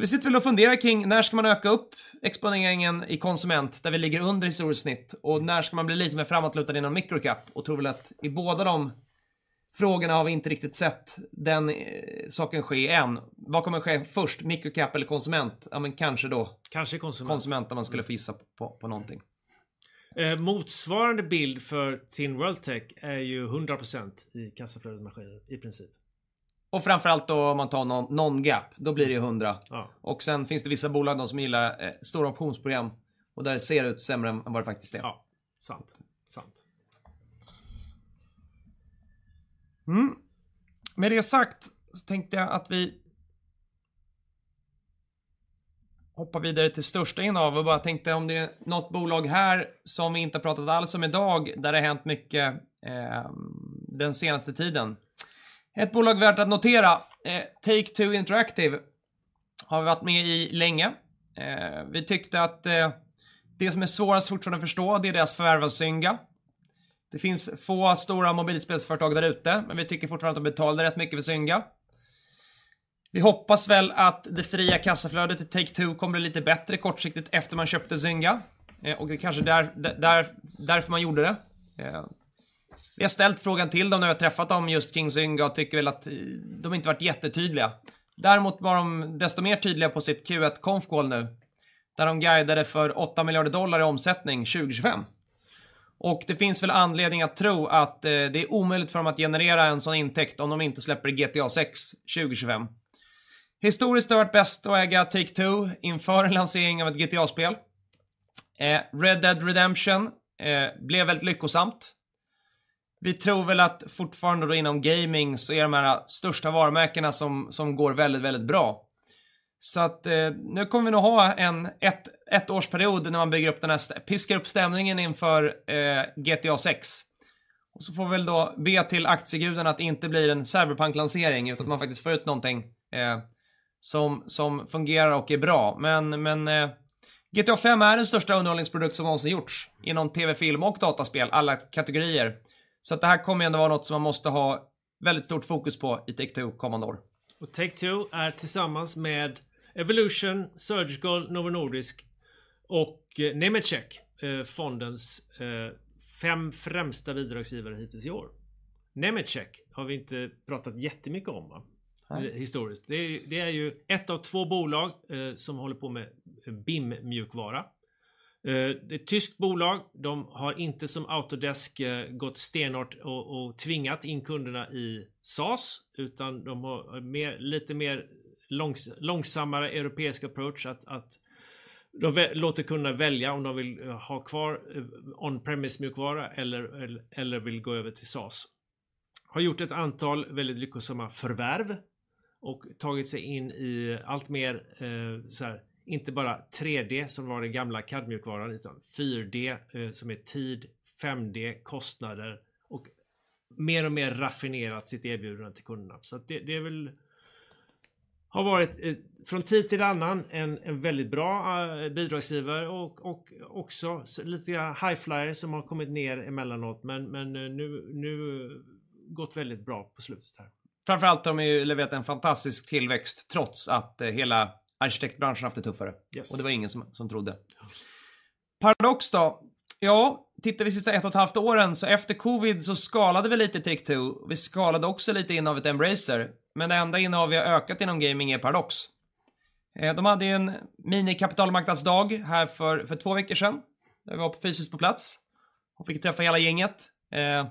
[SPEAKER 1] Vi sitter väl och funderar kring när ska man öka upp exponeringen i konsument, där vi ligger under historiskt snitt och när ska man bli lite mer framåtlutad inom microcap? Tror väl att i båda de frågorna har vi inte riktigt sett den saken ske än. Vad kommer att ske först? Microcap eller konsument? Kanske. Kanske konsument. Konsument när man skulle gissa på någonting. Motsvarande bild för TIN World Tech är ju 100% i kassaflödesmaskinen, i princip. Framför allt då om man tar non-GAAP, då blir det ju 100. Ja. Sedan finns det vissa bolag som gillar stora optionsprogram och där det ser ut sämre än vad det faktiskt är. Ja, sant. Mm. Med det sagt tänkte jag att vi hoppar vidare till största innehav och bara tänkte om det är något bolag här som vi inte pratat alls om i dag, där det har hänt mycket, den senaste tiden. Ett bolag värt att notera, Take-Two Interactive, har vi varit med i länge. Vi tyckte att det som är svårast fortfarande att förstå, det är deras förvärv av Zynga. Det finns få stora mobilspelsföretag där ute, men vi tycker fortfarande att de betalade rätt mycket för Zynga. Vi hoppas väl att det fria kassaflödet i Take-Two kommer bli lite bättre kortsiktigt efter man köpte Zynga. Det kanske är därför man gjorde det. Vi har ställt frågan till dem när vi har träffat dem, just kring Zynga och tycker väl att de inte varit jättetydliga. Däremot var de desto mer tydliga på sitt Q1 conf call nu, där de guidade för $8 billion i omsättning 2025. Det finns väl anledning att tro att det är omöjligt för dem att generera en sådan intäkt om de inte släpper GTA 6 2025. Historiskt har det varit bäst att äga Take-Two inför en lansering av ett GTA-spel. Red Dead Redemption blev väldigt lyckosamt. Vi tror väl att fortfarande då inom gaming så är de här största varumärkena som går väldigt bra. Nu kommer vi nog ha ett års period när man bygger upp den här, piskar upp stämningen inför GTA 6. Och så får vi väl då be till aktiegudarna att det inte blir en Cyberpunk lansering, utan att man faktiskt får ut någonting som fungerar och är bra. GTA 5 är den största underhållningsprodukt som någonsin gjorts inom tv, film och dataspel, alla kategorier. Det här kommer ändå vara något som man måste ha väldigt stort fokus på i Take-Two kommande år. Take-Two är tillsammans med Evolution, Surgical, Novo Nordisk och Nemetschek, fondens five främsta bidragsgivare hittills i år. Nemetschek har vi inte pratat jättemycket om va, historiskt? Det är ju one av two bolag som håller på med BIM-mjukvara. Det är ett tyskt bolag. De har inte som Autodesk gått stenhårt och tvingat in kunderna i SaaS, utan de har lite mer långsammare europeisk approach att de låter kunderna välja om de vill ha kvar on-premise mjukvara eller vill gå över till SaaS. Har gjort ett antal väldigt lyckosamma förvärv och tagit sig in i allt mer, inte bara 3D, som var den gamla CAD-mjukvaran, utan 4D, som är tid, 5D, kostnader och mer och mer raffinerat sitt erbjudande till kunderna. Det är väl, har varit från tid till annan, en väldigt bra bidragsgivare och också lite grann high flyer som har kommit ner emellanåt. Nu gått väldigt bra på slutet här. Framför allt, de har ju levererat en fantastisk tillväxt trots att hela arkitektbranschen har haft det tuffare. Yes. Det var ingen som trodde. Paradox då? Tittar vi sista one and a half years, so after Covid, we scaled a little Take-Two. We scaled also a little the holding Embracer, but the only holding we have increased in gaming is Paradox. They had a mini capital market day here for two weeks ago, where we were physically on site and got to meet the whole team.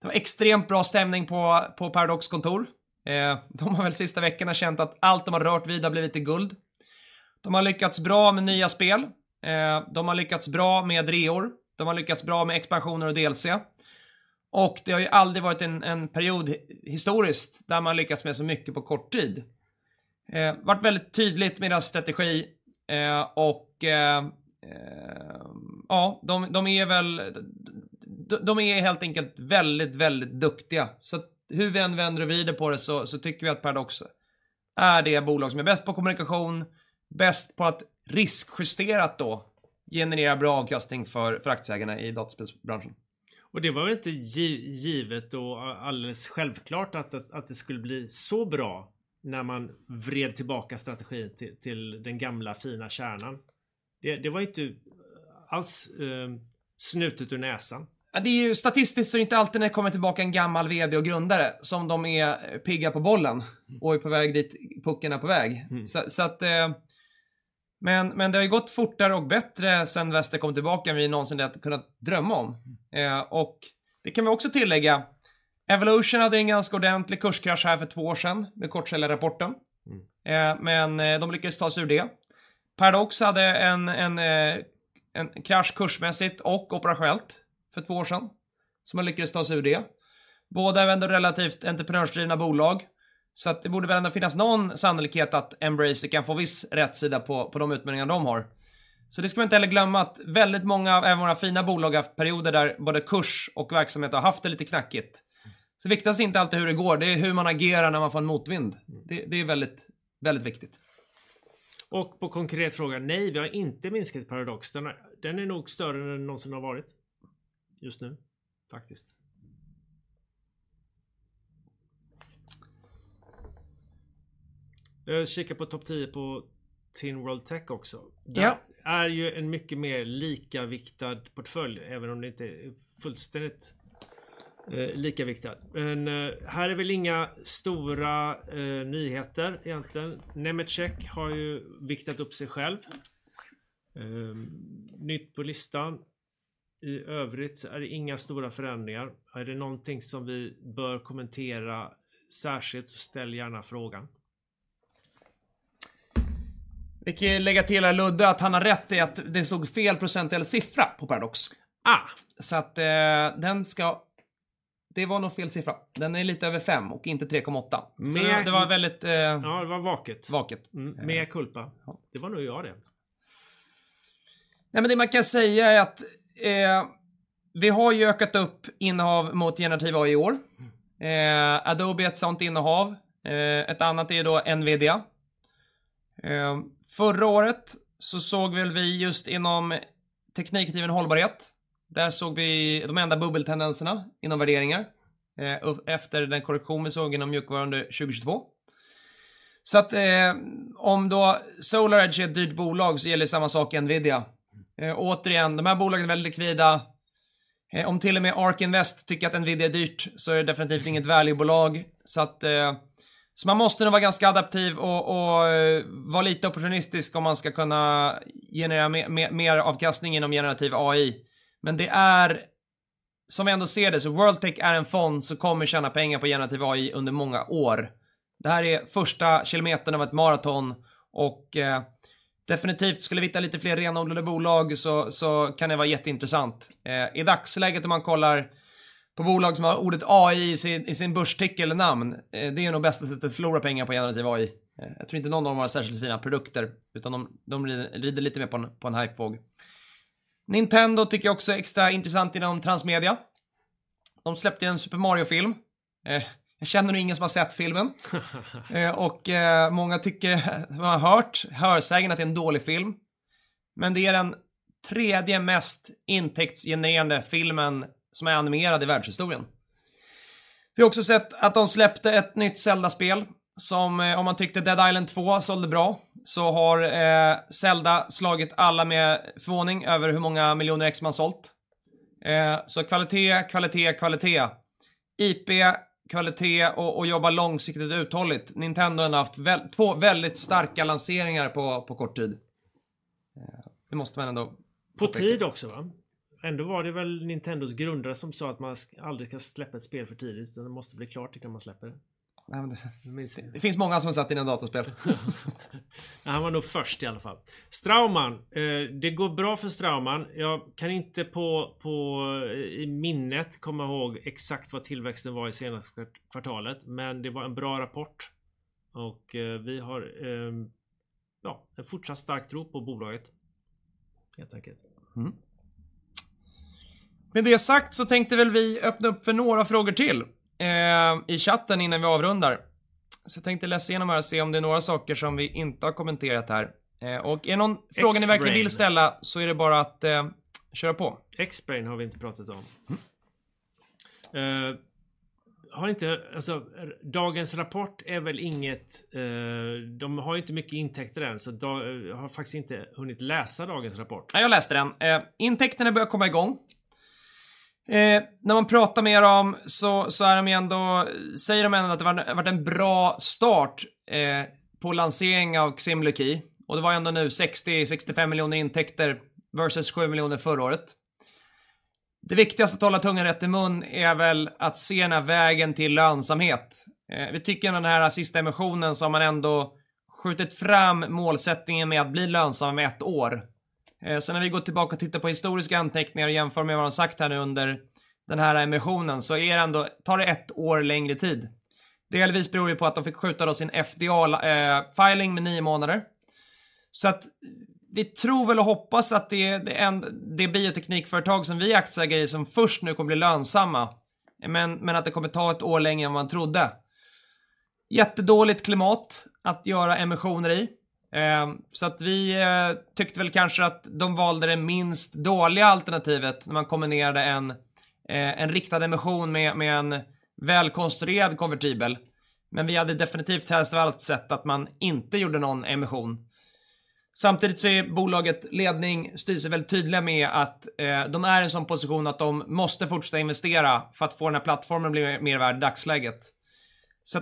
[SPEAKER 1] Det var extremt bra stämning på Paradox kontor. De har väl sista veckorna känt att allt de har rört vid har blivit till guld. De har lyckats bra med nya spel, de har lyckats bra med reor, de har lyckats bra med expansioner och DLC. Det har ju aldrig varit en period historically, where one has succeeded with so much in a short time. Väldigt tydligt med deras strategi, och, ja, de är väl... De är helt enkelt väldigt duktiga. Hur vi än vänder och vrider på det, så tycker vi att Paradox är det bolag som är bäst på kommunikation, bäst på att riskjusterat då, generera bra avkastning för aktieägarna i dataspelsbranschen. Det var väl inte givet och alldeles självklart att det skulle bli så bra när man vred tillbaka strategin till den gamla fina kärnan. Det var ju inte alls snutet ur näsan. Ja, det är ju statistiskt så är det inte alltid när det kommer tillbaka en gammal VD och grundare, som de är pigga på bollen och är på väg dit pucken är på väg. Men det har ju gått fortare och bättre sedan Wester kom tillbaka än vi någonsin hade kunnat drömma om. Det kan vi också tillägga, Evolution hade en ganska ordentlig kurskrasch här för 2 år sedan med kort säljarrapporten, men de lyckades ta sig ur det. Paradox hade en krasch kursmässigt och operationellt för 2 år sedan, som har lyckats ta sig ur det. Båda är ändå relativt entreprenörsdrivna bolag, så att det borde väl ändå finnas någon sannolikhet att Embracer kan få viss rätsida på de utmaningar de har. Det ska man inte heller glömma, att väldigt många av våra fina bolag har haft perioder där både kurs och verksamhet har haft det lite knackigt. Viktiga är inte alltid hur det går, det är hur man agerar när man får en motvind. Det är väldigt viktigt. På konkret fråga: Nej, vi har inte minskat Paradox. Den är, den är nog större än den någonsin har varit, just nu, faktiskt. Jag kikar på topp 10 på TIN World Tech också. Ja. Det är ju en mycket mer likaviktad portfölj, även om det inte är fullständigt, likaviktad. Här är väl inga stora nyheter egentligen. Nemetschek har ju viktat upp sig själv. Nytt på listan. Det är inga stora förändringar. Är det någonting som vi bör kommentera särskilt, så ställ gärna frågan. Vi kan lägga till här Ludde, att han har rätt i att det stod fel procentuell siffra på Paradox. Ah! Det var nog fel siffra. Den är lite över 5 och inte 3.8. Ja, det var vaket. Vaket. Mea culpa. Det var nog jag det. Det man kan säga är att vi har ju ökat upp innehav mot generative AI i år. Adobe är ett sådant innehav, ett annat är då NVIDIA. Förra året såg väl vi just inom tekniktriven hållbarhet. Där såg vi de enda bubbeltendenserna inom värderingar, upp efter den korrektion vi såg inom mjukvara under 2022. Om då SolarEdge är ett dyrt bolag, gäller det samma sak i NVIDIA. Återigen, de här bolagen är väldigt likvida. Om till och med ARK Invest tycker att NVIDIA är dyrt, är det definitivt inget valuebolag. Man måste nog vara ganska adaptiv och vara lite opportunistisk om man ska kunna generera mer avkastning inom generative AI. Det är, som jag ändå ser det, World Tech är en fond som kommer tjäna pengar på generative AI under många år. Det här är första kilometern av ett maraton. Definitivt, skulle vi hitta lite fler renodlade bolag, så kan det vara jätteintressant. I dagsläget när man kollar på bolag som har ordet AI i sin börsticker eller namn, det är nog bästa sättet att förlora pengar på generativ AI. Jag tror inte någon av dem har särskilt fina produkter, utan de rider lite mer på en hypevåg. Nintendo tycker jag också är extra intressant inom transmedia. De släppte en Super Mario-film. Jag känner nog ingen som har sett filmen. Många tycker, vad jag har hört, hörsägen att det är en dålig film, det är den tredje mest intäktsgenererande filmen som är animerad i världshistorien. Vi har också sett att de släppte ett nytt Zelda-spel, som om man tyckte Dead Island 2 sålde bra, har Zelda slagit alla med förvåning över hur många million ex man sålt. Kvalitet, kvalitet, IP-kvalitet och jobba långsiktigt och uthålligt. Nintendo har haft two väldigt starka lanseringar på kort tid. Det måste man ändå. På tid också va? Ändå var det väl Nintendos grundare som sa att man aldrig kan släppa ett spel för tidigt, utan det måste bli klart innan man släpper det. Nej, det finns många som har sett innan dataspel. Han var nog först i alla fall. Straumann, det går bra för Straumann. Jag kan inte på i minnet komma ihåg exakt vad tillväxten var i senaste kvartalet, men det var en bra rapport och vi har, ja, ett fortsatt starkt rop på bolaget, helt enkelt. Med det sagt så tänkte väl vi öppna upp för några frågor till i chatten innan vi avrundar. Jag tänkte läsa igenom här och se om det är några saker som vi inte har kommenterat här. Är det någon fråga ni verkligen vill ställa så är det bara att köra på. Xbrane har vi inte pratat om. De har ju inte mycket intäkter än, så jag har faktiskt inte hunnit läsa dagens rapport. Nej, jag läste den. Intäkterna börjar komma i gång. När man pratar med dem så är de ändå, säger de ändå att det har varit en bra start på lansering av Simulki, och det var ändå nu SEK 60-65 million intäkter versus SEK 7 million förra året. Det viktigaste att hålla tungan rätt i mun är väl att se den här vägen till lönsamhet. Vi tycker ändå den här sista emissionen så har man ändå skjutit fram målsättningen med att bli lönsam med 1 år. När vi går tillbaka och tittar på historiska anteckningar och jämför med vad de har sagt här nu under den här emissionen, så är det ändå, tar det 1 år längre tid. Delvis beror det på att de fick skjuta sin FDA filing med 9 månader. Vi tror väl och hoppas att det är det bioteknikföretag som vi aktiesparare i som först nu kommer bli lönsamma. Att det kommer ta ett år längre än vad man trodde. Jättedåligt klimat att göra emissioner i. Vi tyckte väl kanske att de valde det minst dåliga alternativet när man kombinerade en riktad emission med en välkonstruerad konvertibel. Vi hade definitivt helst av allt sett att man inte gjorde någon emission. Samtidigt är bolaget ledning, styrelse väldigt tydliga med att de är i en sådan position att de måste fortsätta investera för att få den här plattformen att bli mer värd i dagsläget.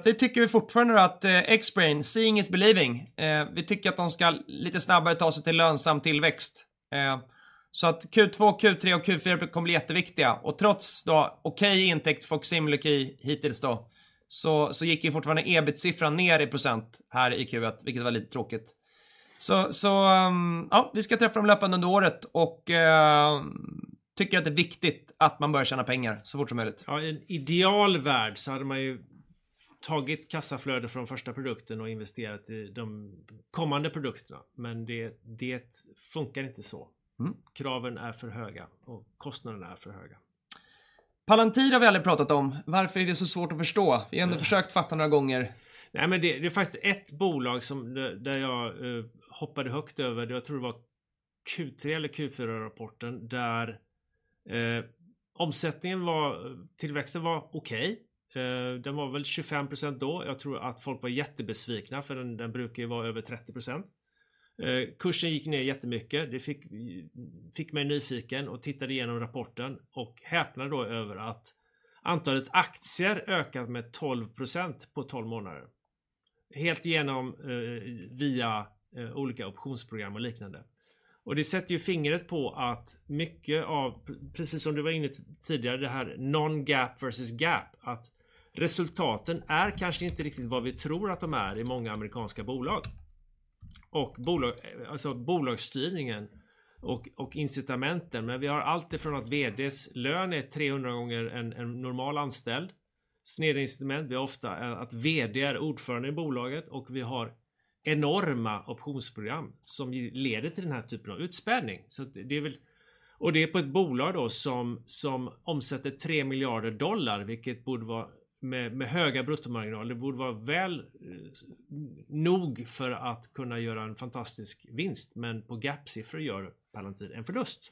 [SPEAKER 1] Vi tycker ju fortfarande att Xbrane, seeing is believing. Vi tycker att de ska lite snabbare ta sig till lönsam tillväxt. Q2, Q3 and Q4 kommer bli jätteviktiga. Trots då okej intäkt för Simulki hittills då, så gick ju fortfarande EBIT-siffran ner i % här i Q1, vilket var lite tråkigt. Vi ska träffa dem löpande under året och tycker att det är viktigt att man börjar tjäna pengar så fort som möjligt. I en ideal värld så hade man ju tagit kassaflöde från första produkten och investerat i de kommande produkterna, det funkar inte så. Mm. Kraven är för höga och kostnaderna är för höga. Palantir har vi aldrig pratat om. Varför är det så svårt att förstå? Vi har ändå försökt fatta några gånger. Det är faktiskt ett bolag som, där jag hoppade högt över. Jag tror det var Q3- eller Q4-rapporten, där tillväxten var okej. Den var väl 25% då. Jag tror att folk var jättebesvikna, för den brukar ju vara över 30%. Kursen gick ner jättemycket. Det fick mig nyfiken och tittade igenom rapporten och häpnade då över att antalet aktier ökar med 12% på 12 months. Via olika optionsprogram och liknande. Det sätter ju fingret på att mycket av, precis som du var inne tidigare, det här non-GAAP versus GAAP, att resultaten är kanske inte riktigt vad vi tror att de är i många amerikanska bolag. Bolagsstyrningen och incitamenten. Vi har alltifrån att VDs lön är 300 times en normal anställd. Snedincitament, det är ofta att VD är ordförande i bolaget och vi har enorma optionsprogram som leder till den här typen av utspädning. Det på ett bolag då som omsätter $3 billion, vilket borde vara med höga bruttomarginaler, borde vara väl nog för att kunna göra en fantastisk vinst. På GAAP-siffror gör Palantir en förlust.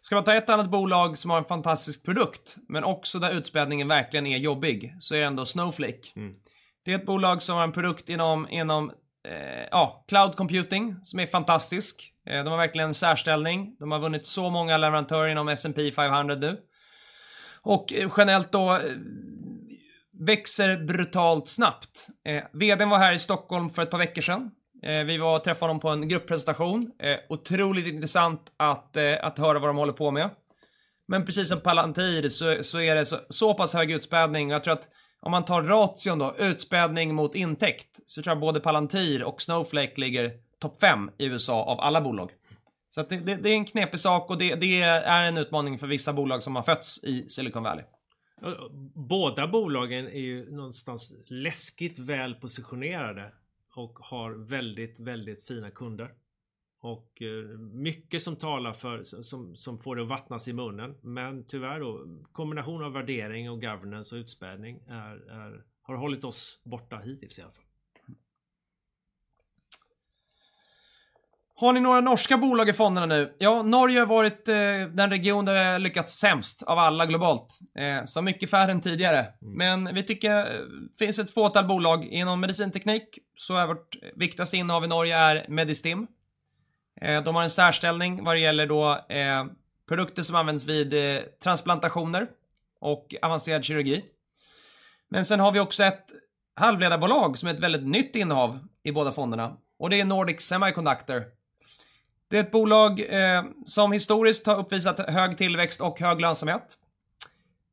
[SPEAKER 1] Ska man ta ett annat bolag som har en fantastisk produkt, men också där utspädningen verkligen är jobbig, så är det ändå Snowflake. Mm. Det är ett bolag som har en produkt inom, ja, cloud computing, som är fantastisk. De har verkligen en särställning. De har vunnit så många leverantörer inom S&P 500 nu. Generellt då, växer brutalt snabbt. Vd var här i Stockholm för ett par veckor sedan. Vi var och träffade dem på en grupppresentation. Otroligt intressant att höra vad de håller på med. Precis som Palantir så är det så pass hög utspädning. Jag tror att om man tar ration då, utspädning mot intäkt, så tror jag både Palantir och Snowflake ligger top five i USA av alla bolag. Det är en knepig sak och det är en utmaning för vissa bolag som har fötts i Silicon Valley. Båda bolagen är ju någonstans läskigt väl positionerade och har väldigt fina kunder. Mycket som talar för, som får det att vattnas i munnen. Tyvärr då, kombinationen av värdering och governance och utspädning har hållit oss borta hittills i alla fall. Har ni några norska bolag i fonderna nu? Norge har varit den region där det lyckats sämst av alla globalt. Mycket färre än tidigare. Vi tycker det finns ett fåtal bolag inom medicinteknik, så är vårt viktigaste innehav i Norge är Medistim. De har en särställning vad det gäller då, produkter som används vid transplantationer och avancerad kirurgi. Sen har vi också ett halvledarbolag som är ett väldigt nytt innehav i båda fonderna, och det är Nordic Semiconductor. Det är ett bolag som historiskt har uppvisat hög tillväxt och hög lönsamhet.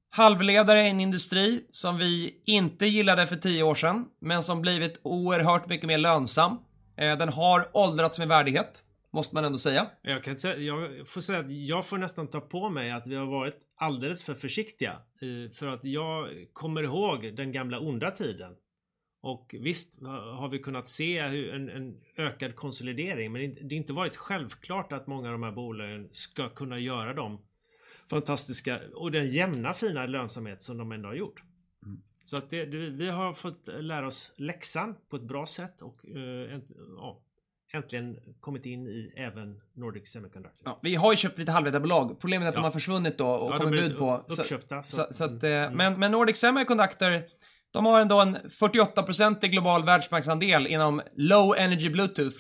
[SPEAKER 1] Halvledare är en industri som vi inte gillade för 10 år sedan, men som blivit oerhört mycket mer lönsam. Den har åldrats med värdighet, måste man ändå säga. Jag kan säga, jag får säga att jag får nästan ta på mig att vi har varit alldeles för försiktiga. Jag kommer ihåg den gamla onda tiden. Visst har vi kunnat se hur en ökad konsolidering, men det har inte varit självklart att många av de här bolagen ska kunna göra de fantastiska och den jämna, fina lönsamhet som de ändå har gjort. Det, vi har fått lära oss läxan på ett bra sätt och, ja, äntligen kommit in i även Nordic Semiconductor. Vi har ju köpt lite halvledarbolag. Problemet är att de har försvunnit då och kommit ut. Uppköpta. Nordic Semiconductor, de har ändå en 48% global världsmarknadsandel inom Bluetooth Low Energy.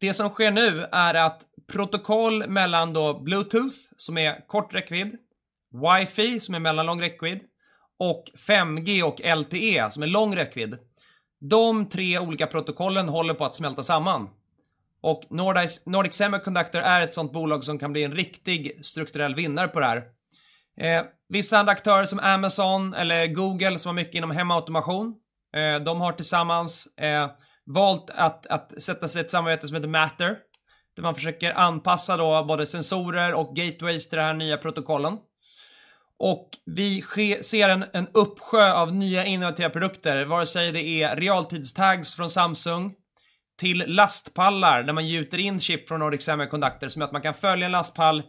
[SPEAKER 1] Det som sker nu är att protokoll mellan då Bluetooth, som är kort räckvidd, Wi-Fi, som är mellanlång räckvidd, och 5G och LTE, som är lång räckvidd. De tre olika protokollen håller på att smälta samman och Nordic Semiconductor är ett sådant bolag som kan bli en riktig strukturell vinnare på det här. Vissa aktörer som Amazon eller Google, som har mycket inom hemautomation, de har tillsammans, valt att sätta sig i ett samarbete som heter Matter, där man försöker anpassa då både sensorer och gateways till det här nya protokollen. Vi ser en uppsjö av nya innovativa produkter, vare sig det är realtidstags från Samsung till lastpallar, där man gjuter in chip från Nordic Semiconductor, som gör att man kan följa en lastpall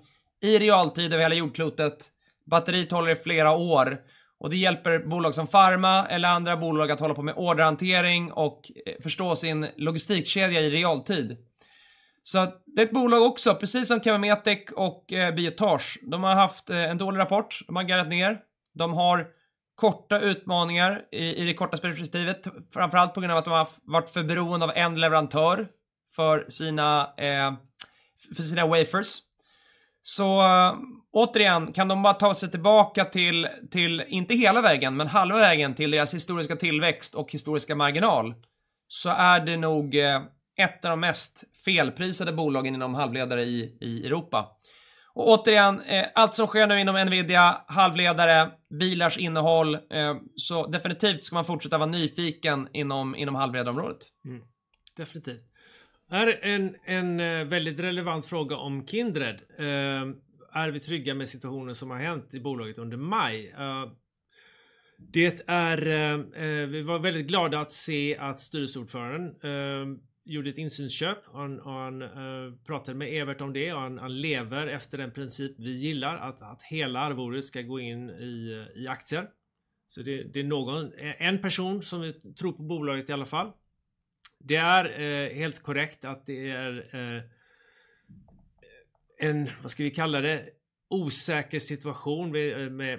[SPEAKER 1] i realtid över hela jordklotet. Batteriet håller i flera år och det hjälper bolag som Pharma eller andra bolag att hålla på med orderhantering och förstå sin logistikkedja i realtid. Det är ett bolag också, precis som Thermotech och Biotage. De har haft en dålig rapport, de har gått ner. De har korta utmaningar i det korta perspektivet, framför allt på grund av att de har varit för beroende av en leverantör för sina wafers. återigen, kan de bara ta sig tillbaka till inte hela vägen, men halva vägen till deras historiska tillväxt och historiska marginal, så är det nog ett av de mest felprisade bolagen inom halvledare i Europa. återigen, allt som sker nu inom NVIDIA, halvledare, bilars innehåll, så definitivt ska man fortsätta vara nyfiken inom halvledarområdet. Mm, definitivt. Här är en väldigt relevant fråga om Kindred. Är vi trygga med situationen som har hänt i bolaget under maj? Det är, vi var väldigt glada att se att styrelseordföranden gjorde ett insynsköp. Han pratade med Evert om det och han lever efter den princip vi gillar, att hela arvodet ska gå in i aktier. Det är en person som tror på bolaget i alla fall. Det är helt korrekt att det är en, vad ska vi kalla det? Osäker situation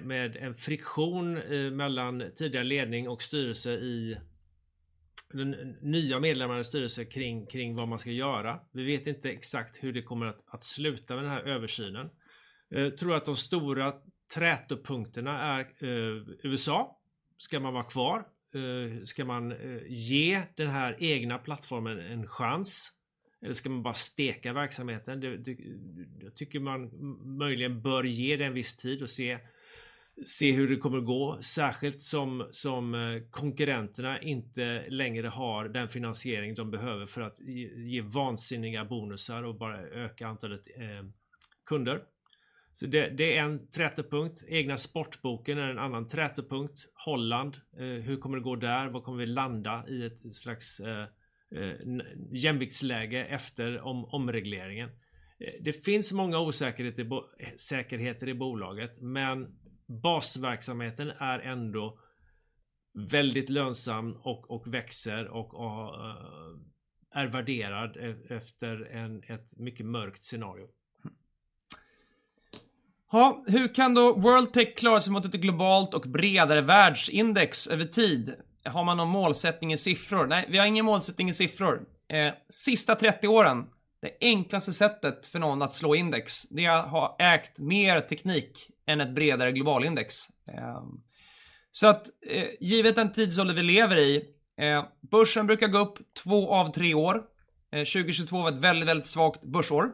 [SPEAKER 1] med en friktion mellan tidiga ledning och styrelse i den nya medlemmarna i styrelse kring vad man ska göra. Vi vet inte exakt hur det kommer att sluta med den här översynen. Tror att de stora trätopunkterna är USA. Ska man vara kvar? Ska man ge den här egna plattformen en chans? Ska man bara steka verksamheten? Det tycker man möjligen bör ge det en viss tid och se hur det kommer att gå. Särskilt som konkurrenterna inte längre har den finansiering de behöver för att ge vansinniga bonusar och bara öka antalet kunder. Det är en trätopunkt. Egna sportboken är en annan trätopunkt. Holland, hur kommer det gå där? Var kommer vi landa i ett slags jämviktsläge efter omregleringen? Det finns många osäkerheter i bolaget, men basverksamheten är ändå väldigt lönsam och växer och är värderad efter ett mycket mörkt scenario. Hur kan då World Tech klara sig mot ett globalt och bredare världsindex över tid? Har man någon målsättning i siffror? Nej, vi har ingen målsättning i siffror. Sista 30 åren, det enklaste sättet för någon att slå index, det är att ha ägt mer teknik än ett bredare globalindex. Givet den tidsålder vi lever i, börsen brukar gå upp 2 av 3 år. 2022 var ett väldigt svagt börsår.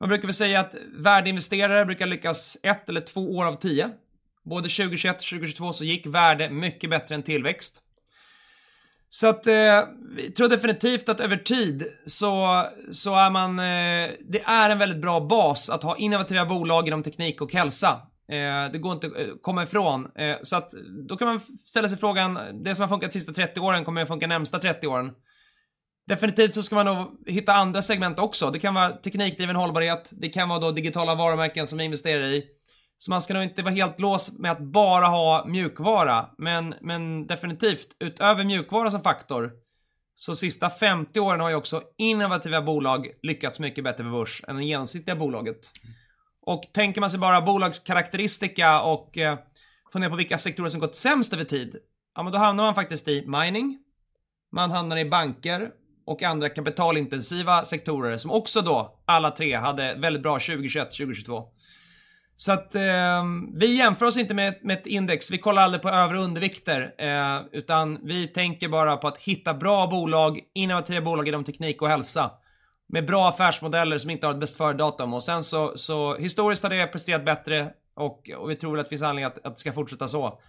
[SPEAKER 1] Man brukar väl säga att värdinvesterare brukar lyckas 1 eller 2 år av 10. Både 2021 och 2022 så gick värde mycket bättre än tillväxt. Vi tror definitivt att över tid så är man. Det är en väldigt bra bas att ha innovativa bolag inom teknik och hälsa. Det går inte att komma ifrån. Kan man ställa sig frågan: Det som har funkat de sista 30 åren, kommer det att funka närmsta 30 åren? Definitivt så ska man nog hitta andra segment också. Det kan vara teknikdriven hållbarhet, det kan vara då digitala varumärken som vi investerar i. Man ska nog inte vara helt låst med att bara ha mjukvara, men definitivt utöver mjukvara som faktor, så sista 50 åren har ju också innovativa bolag lyckats mycket bättre med börs än det genomsnittliga bolaget. Tänker man sig bara bolagskaraktäristika och funderar på vilka sektorer som gått sämst över tid, ja men då hamnar man faktiskt i mining, man hamnar i banker och andra kapitalintensiva sektorer som också då alla tre hade väldigt bra 2021, 2022. Vi jämför oss inte med ett index. Vi kollar aldrig på över- och undervikter, utan vi tänker bara på att hitta bra bolag, innovativa bolag inom teknik och hälsa, med bra affärsmodeller som inte har ett bäst före datum. Sen så historiskt har det presterat bättre och vi tror väl att det finns anledning att det ska fortsätta så.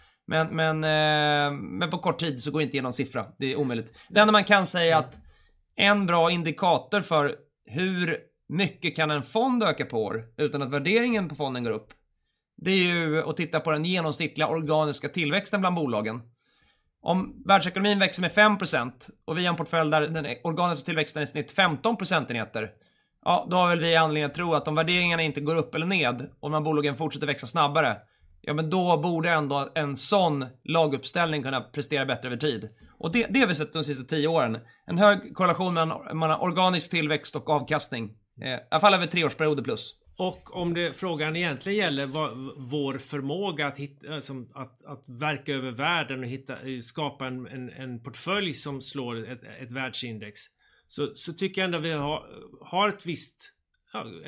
[SPEAKER 1] På kort tid så går det inte igenom siffra. Det är omöjligt. Det enda man kan säga att en bra indikator för hur mycket kan en fond öka på år utan att värderingen på fonden går upp? Det är ju att titta på den genomsnittliga organiska tillväxten bland bolagen. Om världsekonomin växer med 5% och vi har en portfölj där den organiska tillväxten är i snitt 15 percentage points, ja, då har väl vi anledning att tro att om värderingarna inte går upp eller ned, om bolagen fortsätter växa snabbare, ja men då borde ändå en sådan laguppställning kunna prestera bättre över tid. Det har vi sett de sista 10 åren. En hög korrelation mellan organisk tillväxt och avkastning, i alla fall över 3-year periods plus. Om frågan egentligen gäller, vår förmåga att hitta, verka över världen och hitta, skapa en portfölj som slår ett världsindex, tycker jag ändå vi har ett visst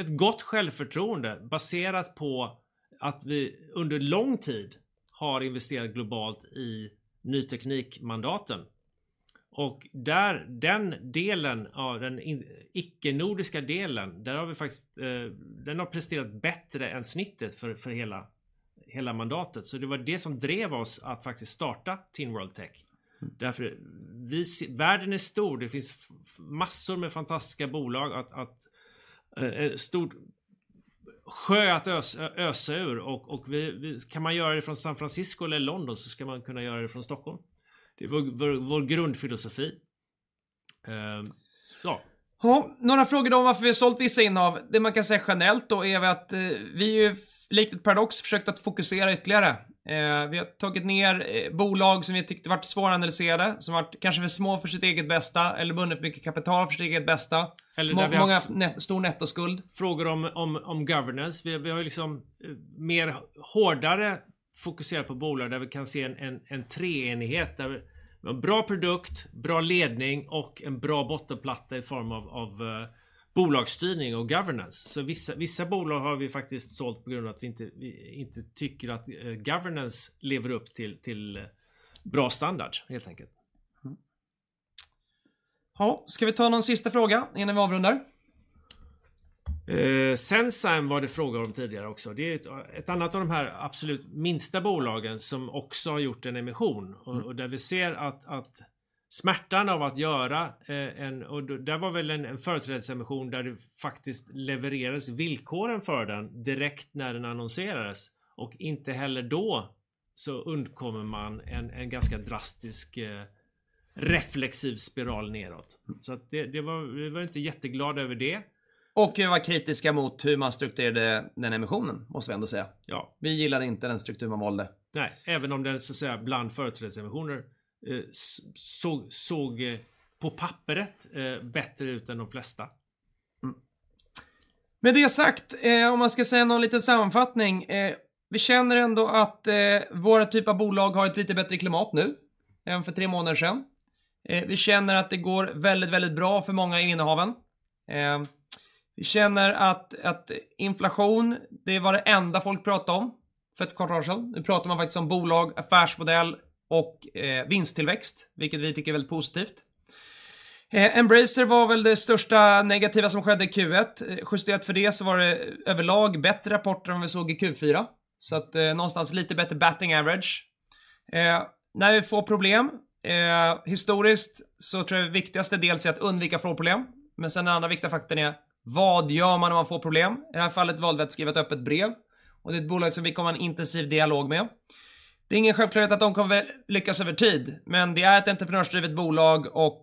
[SPEAKER 1] gott självförtroende baserat på att vi under lång tid har investerat globalt i nyteknikmandaten. Där, den delen av den icke-nordiska delen, där har vi faktiskt, den har presterat bättre än snittet för hela mandatet. Det var det som drev oss att faktiskt starta TIN World Tech. Världen är stor, det finns massor med fantastiska bolag att stor sjö att ösa ur och vi, kan man göra det från San Francisco eller London så ska man kunna göra det från Stockholm. Det är vår grundfilosofi. Ja. Ja, några frågor om varför vi har sålt vissa innehav. Det man kan säga generellt då är väl att vi, likt ett Paradox, försökt att fokusera ytterligare. Vi har tagit ner bolag som vi tyckte var svåranalyserade, som varit kanske för små för sitt eget bästa eller bundit mycket kapital för sitt eget bästa. Eller stor nettoskuld. Frågor om governance. Vi har liksom mer hårdare fokuserat på bolag där vi kan se en treenighet, där vi har bra produkt, bra ledning och en bra bottenplatta i form av bolagsstyrning och governance. Vissa bolag har vi faktiskt sålt på grund av att vi inte tycker att governance lever upp till bra standard, helt enkelt. Ska vi ta någon sista fråga innan vi avrundar? Senzime var det fråga om tidigare också. Det är ett annat av de här absolut minsta bolagen som också har gjort en emission och där vi ser att smärtan av att göra en, och det där var väl en företrädesemission där det faktiskt levereras villkoren för den direkt när den annonserades och inte heller då så undkommer man en ganska drastisk reflexiv spiral nedåt. Det var, vi var inte jätteglada över det. Och vi var kritiska mot hur man strukturerade den emissionen, måste vi ändå säga. Ja. Vi gillade inte den struktur man valde. Nej, även om den, så att säga, bland företrädesemissioner, såg på pappret bättre ut än de flesta. Med det sagt, om man ska säga någon liten sammanfattning: vi känner ändå att våra typ av bolag har ett lite bättre klimat nu än för 3 månader sedan. Vi känner att det går väldigt bra för många i innehaven. Vi känner att inflation, det var det enda folk pratade om för 1 kvart år sedan. Nu pratar man faktiskt om bolag, affärsmodell och vinsttillväxt, vilket vi tycker är väldigt positivt. Embracer var väl det största negativa som skedde i Q1. Justerat för det så var det överlag bättre rapporter än vad vi såg i Q4. Någonstans lite bättre batting average. När vi får problem, historiskt så tror jag det viktigaste dels är att undvika att få problem, den andra viktiga faktorn är: vad gör man om man får problem? I det här fallet valde vi att skriva ett öppet brev och det är ett bolag som vi kommer ha en intensiv dialog med. Det är ingen självklarhet att de kommer lyckas över tid, men det är ett entreprenörsdrivet bolag och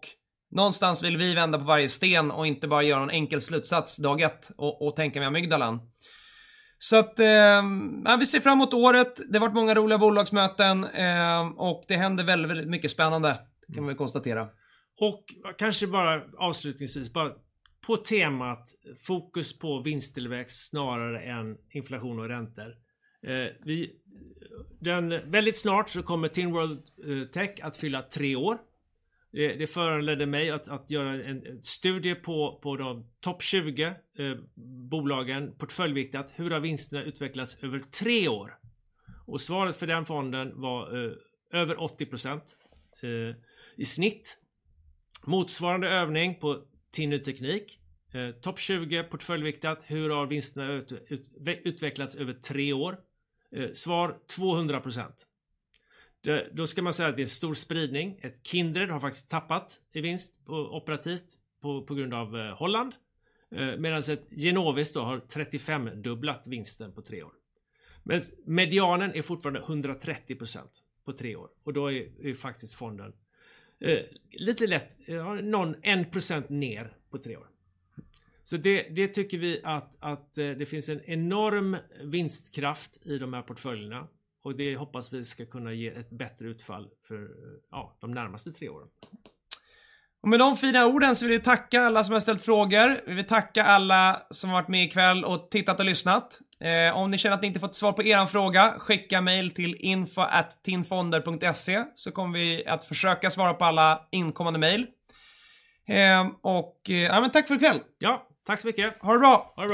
[SPEAKER 1] någonstans vill vi vända på varje sten och inte bara göra någon enkel slutsats dag ett och tänka mig Myggdalan. Vi ser fram emot året. Det har varit många roliga bolagsmöten och det händer väldigt mycket spännande kan vi konstatera. Kanske bara avslutningsvis, bara på temat fokus på vinsttillväxt snarare än inflation och räntor. Väldigt snart så kommer TIN World Tech att fylla 3 år. Det föranledde mig att göra en studie på de topp 20 bolagen, portföljviktat. Hur har vinsterna utvecklats över 3 år? Svaret för den fonden var över 80% i snitt. Motsvarande övning på TIN Ny Teknik. Topp 20, portföljviktat. Hur har vinsterna utvecklats över 3 år? Svar: 200%. Ska man säga att det är stor spridning. Ett Kindred har faktiskt tappat i vinst operativt på grund av Holland, medans ett Genovis då har 35-dubblat vinsten på 3 år. Medianen är fortfarande 130% på 3 år och då är faktiskt fonden lite lätt 1% ner på 3 år. Det tycker vi att det finns en enorm vinstkraft i de här portföljerna och det hoppas vi ska kunna ge ett bättre utfall för, ja, de närmaste 3 åren. Med de fina orden vill vi tacka alla som har ställt frågor. Vi vill tacka alla som har varit med i kväll och tittat och lyssnat. Om ni känner att ni inte fått svar på eran fråga, skicka mail till info@tinfonder.se så kommer vi att försöka svara på alla inkommande mail. Ja men tack för i kväll! Ja, tack så mycket. Ha det bra! Ha det bra.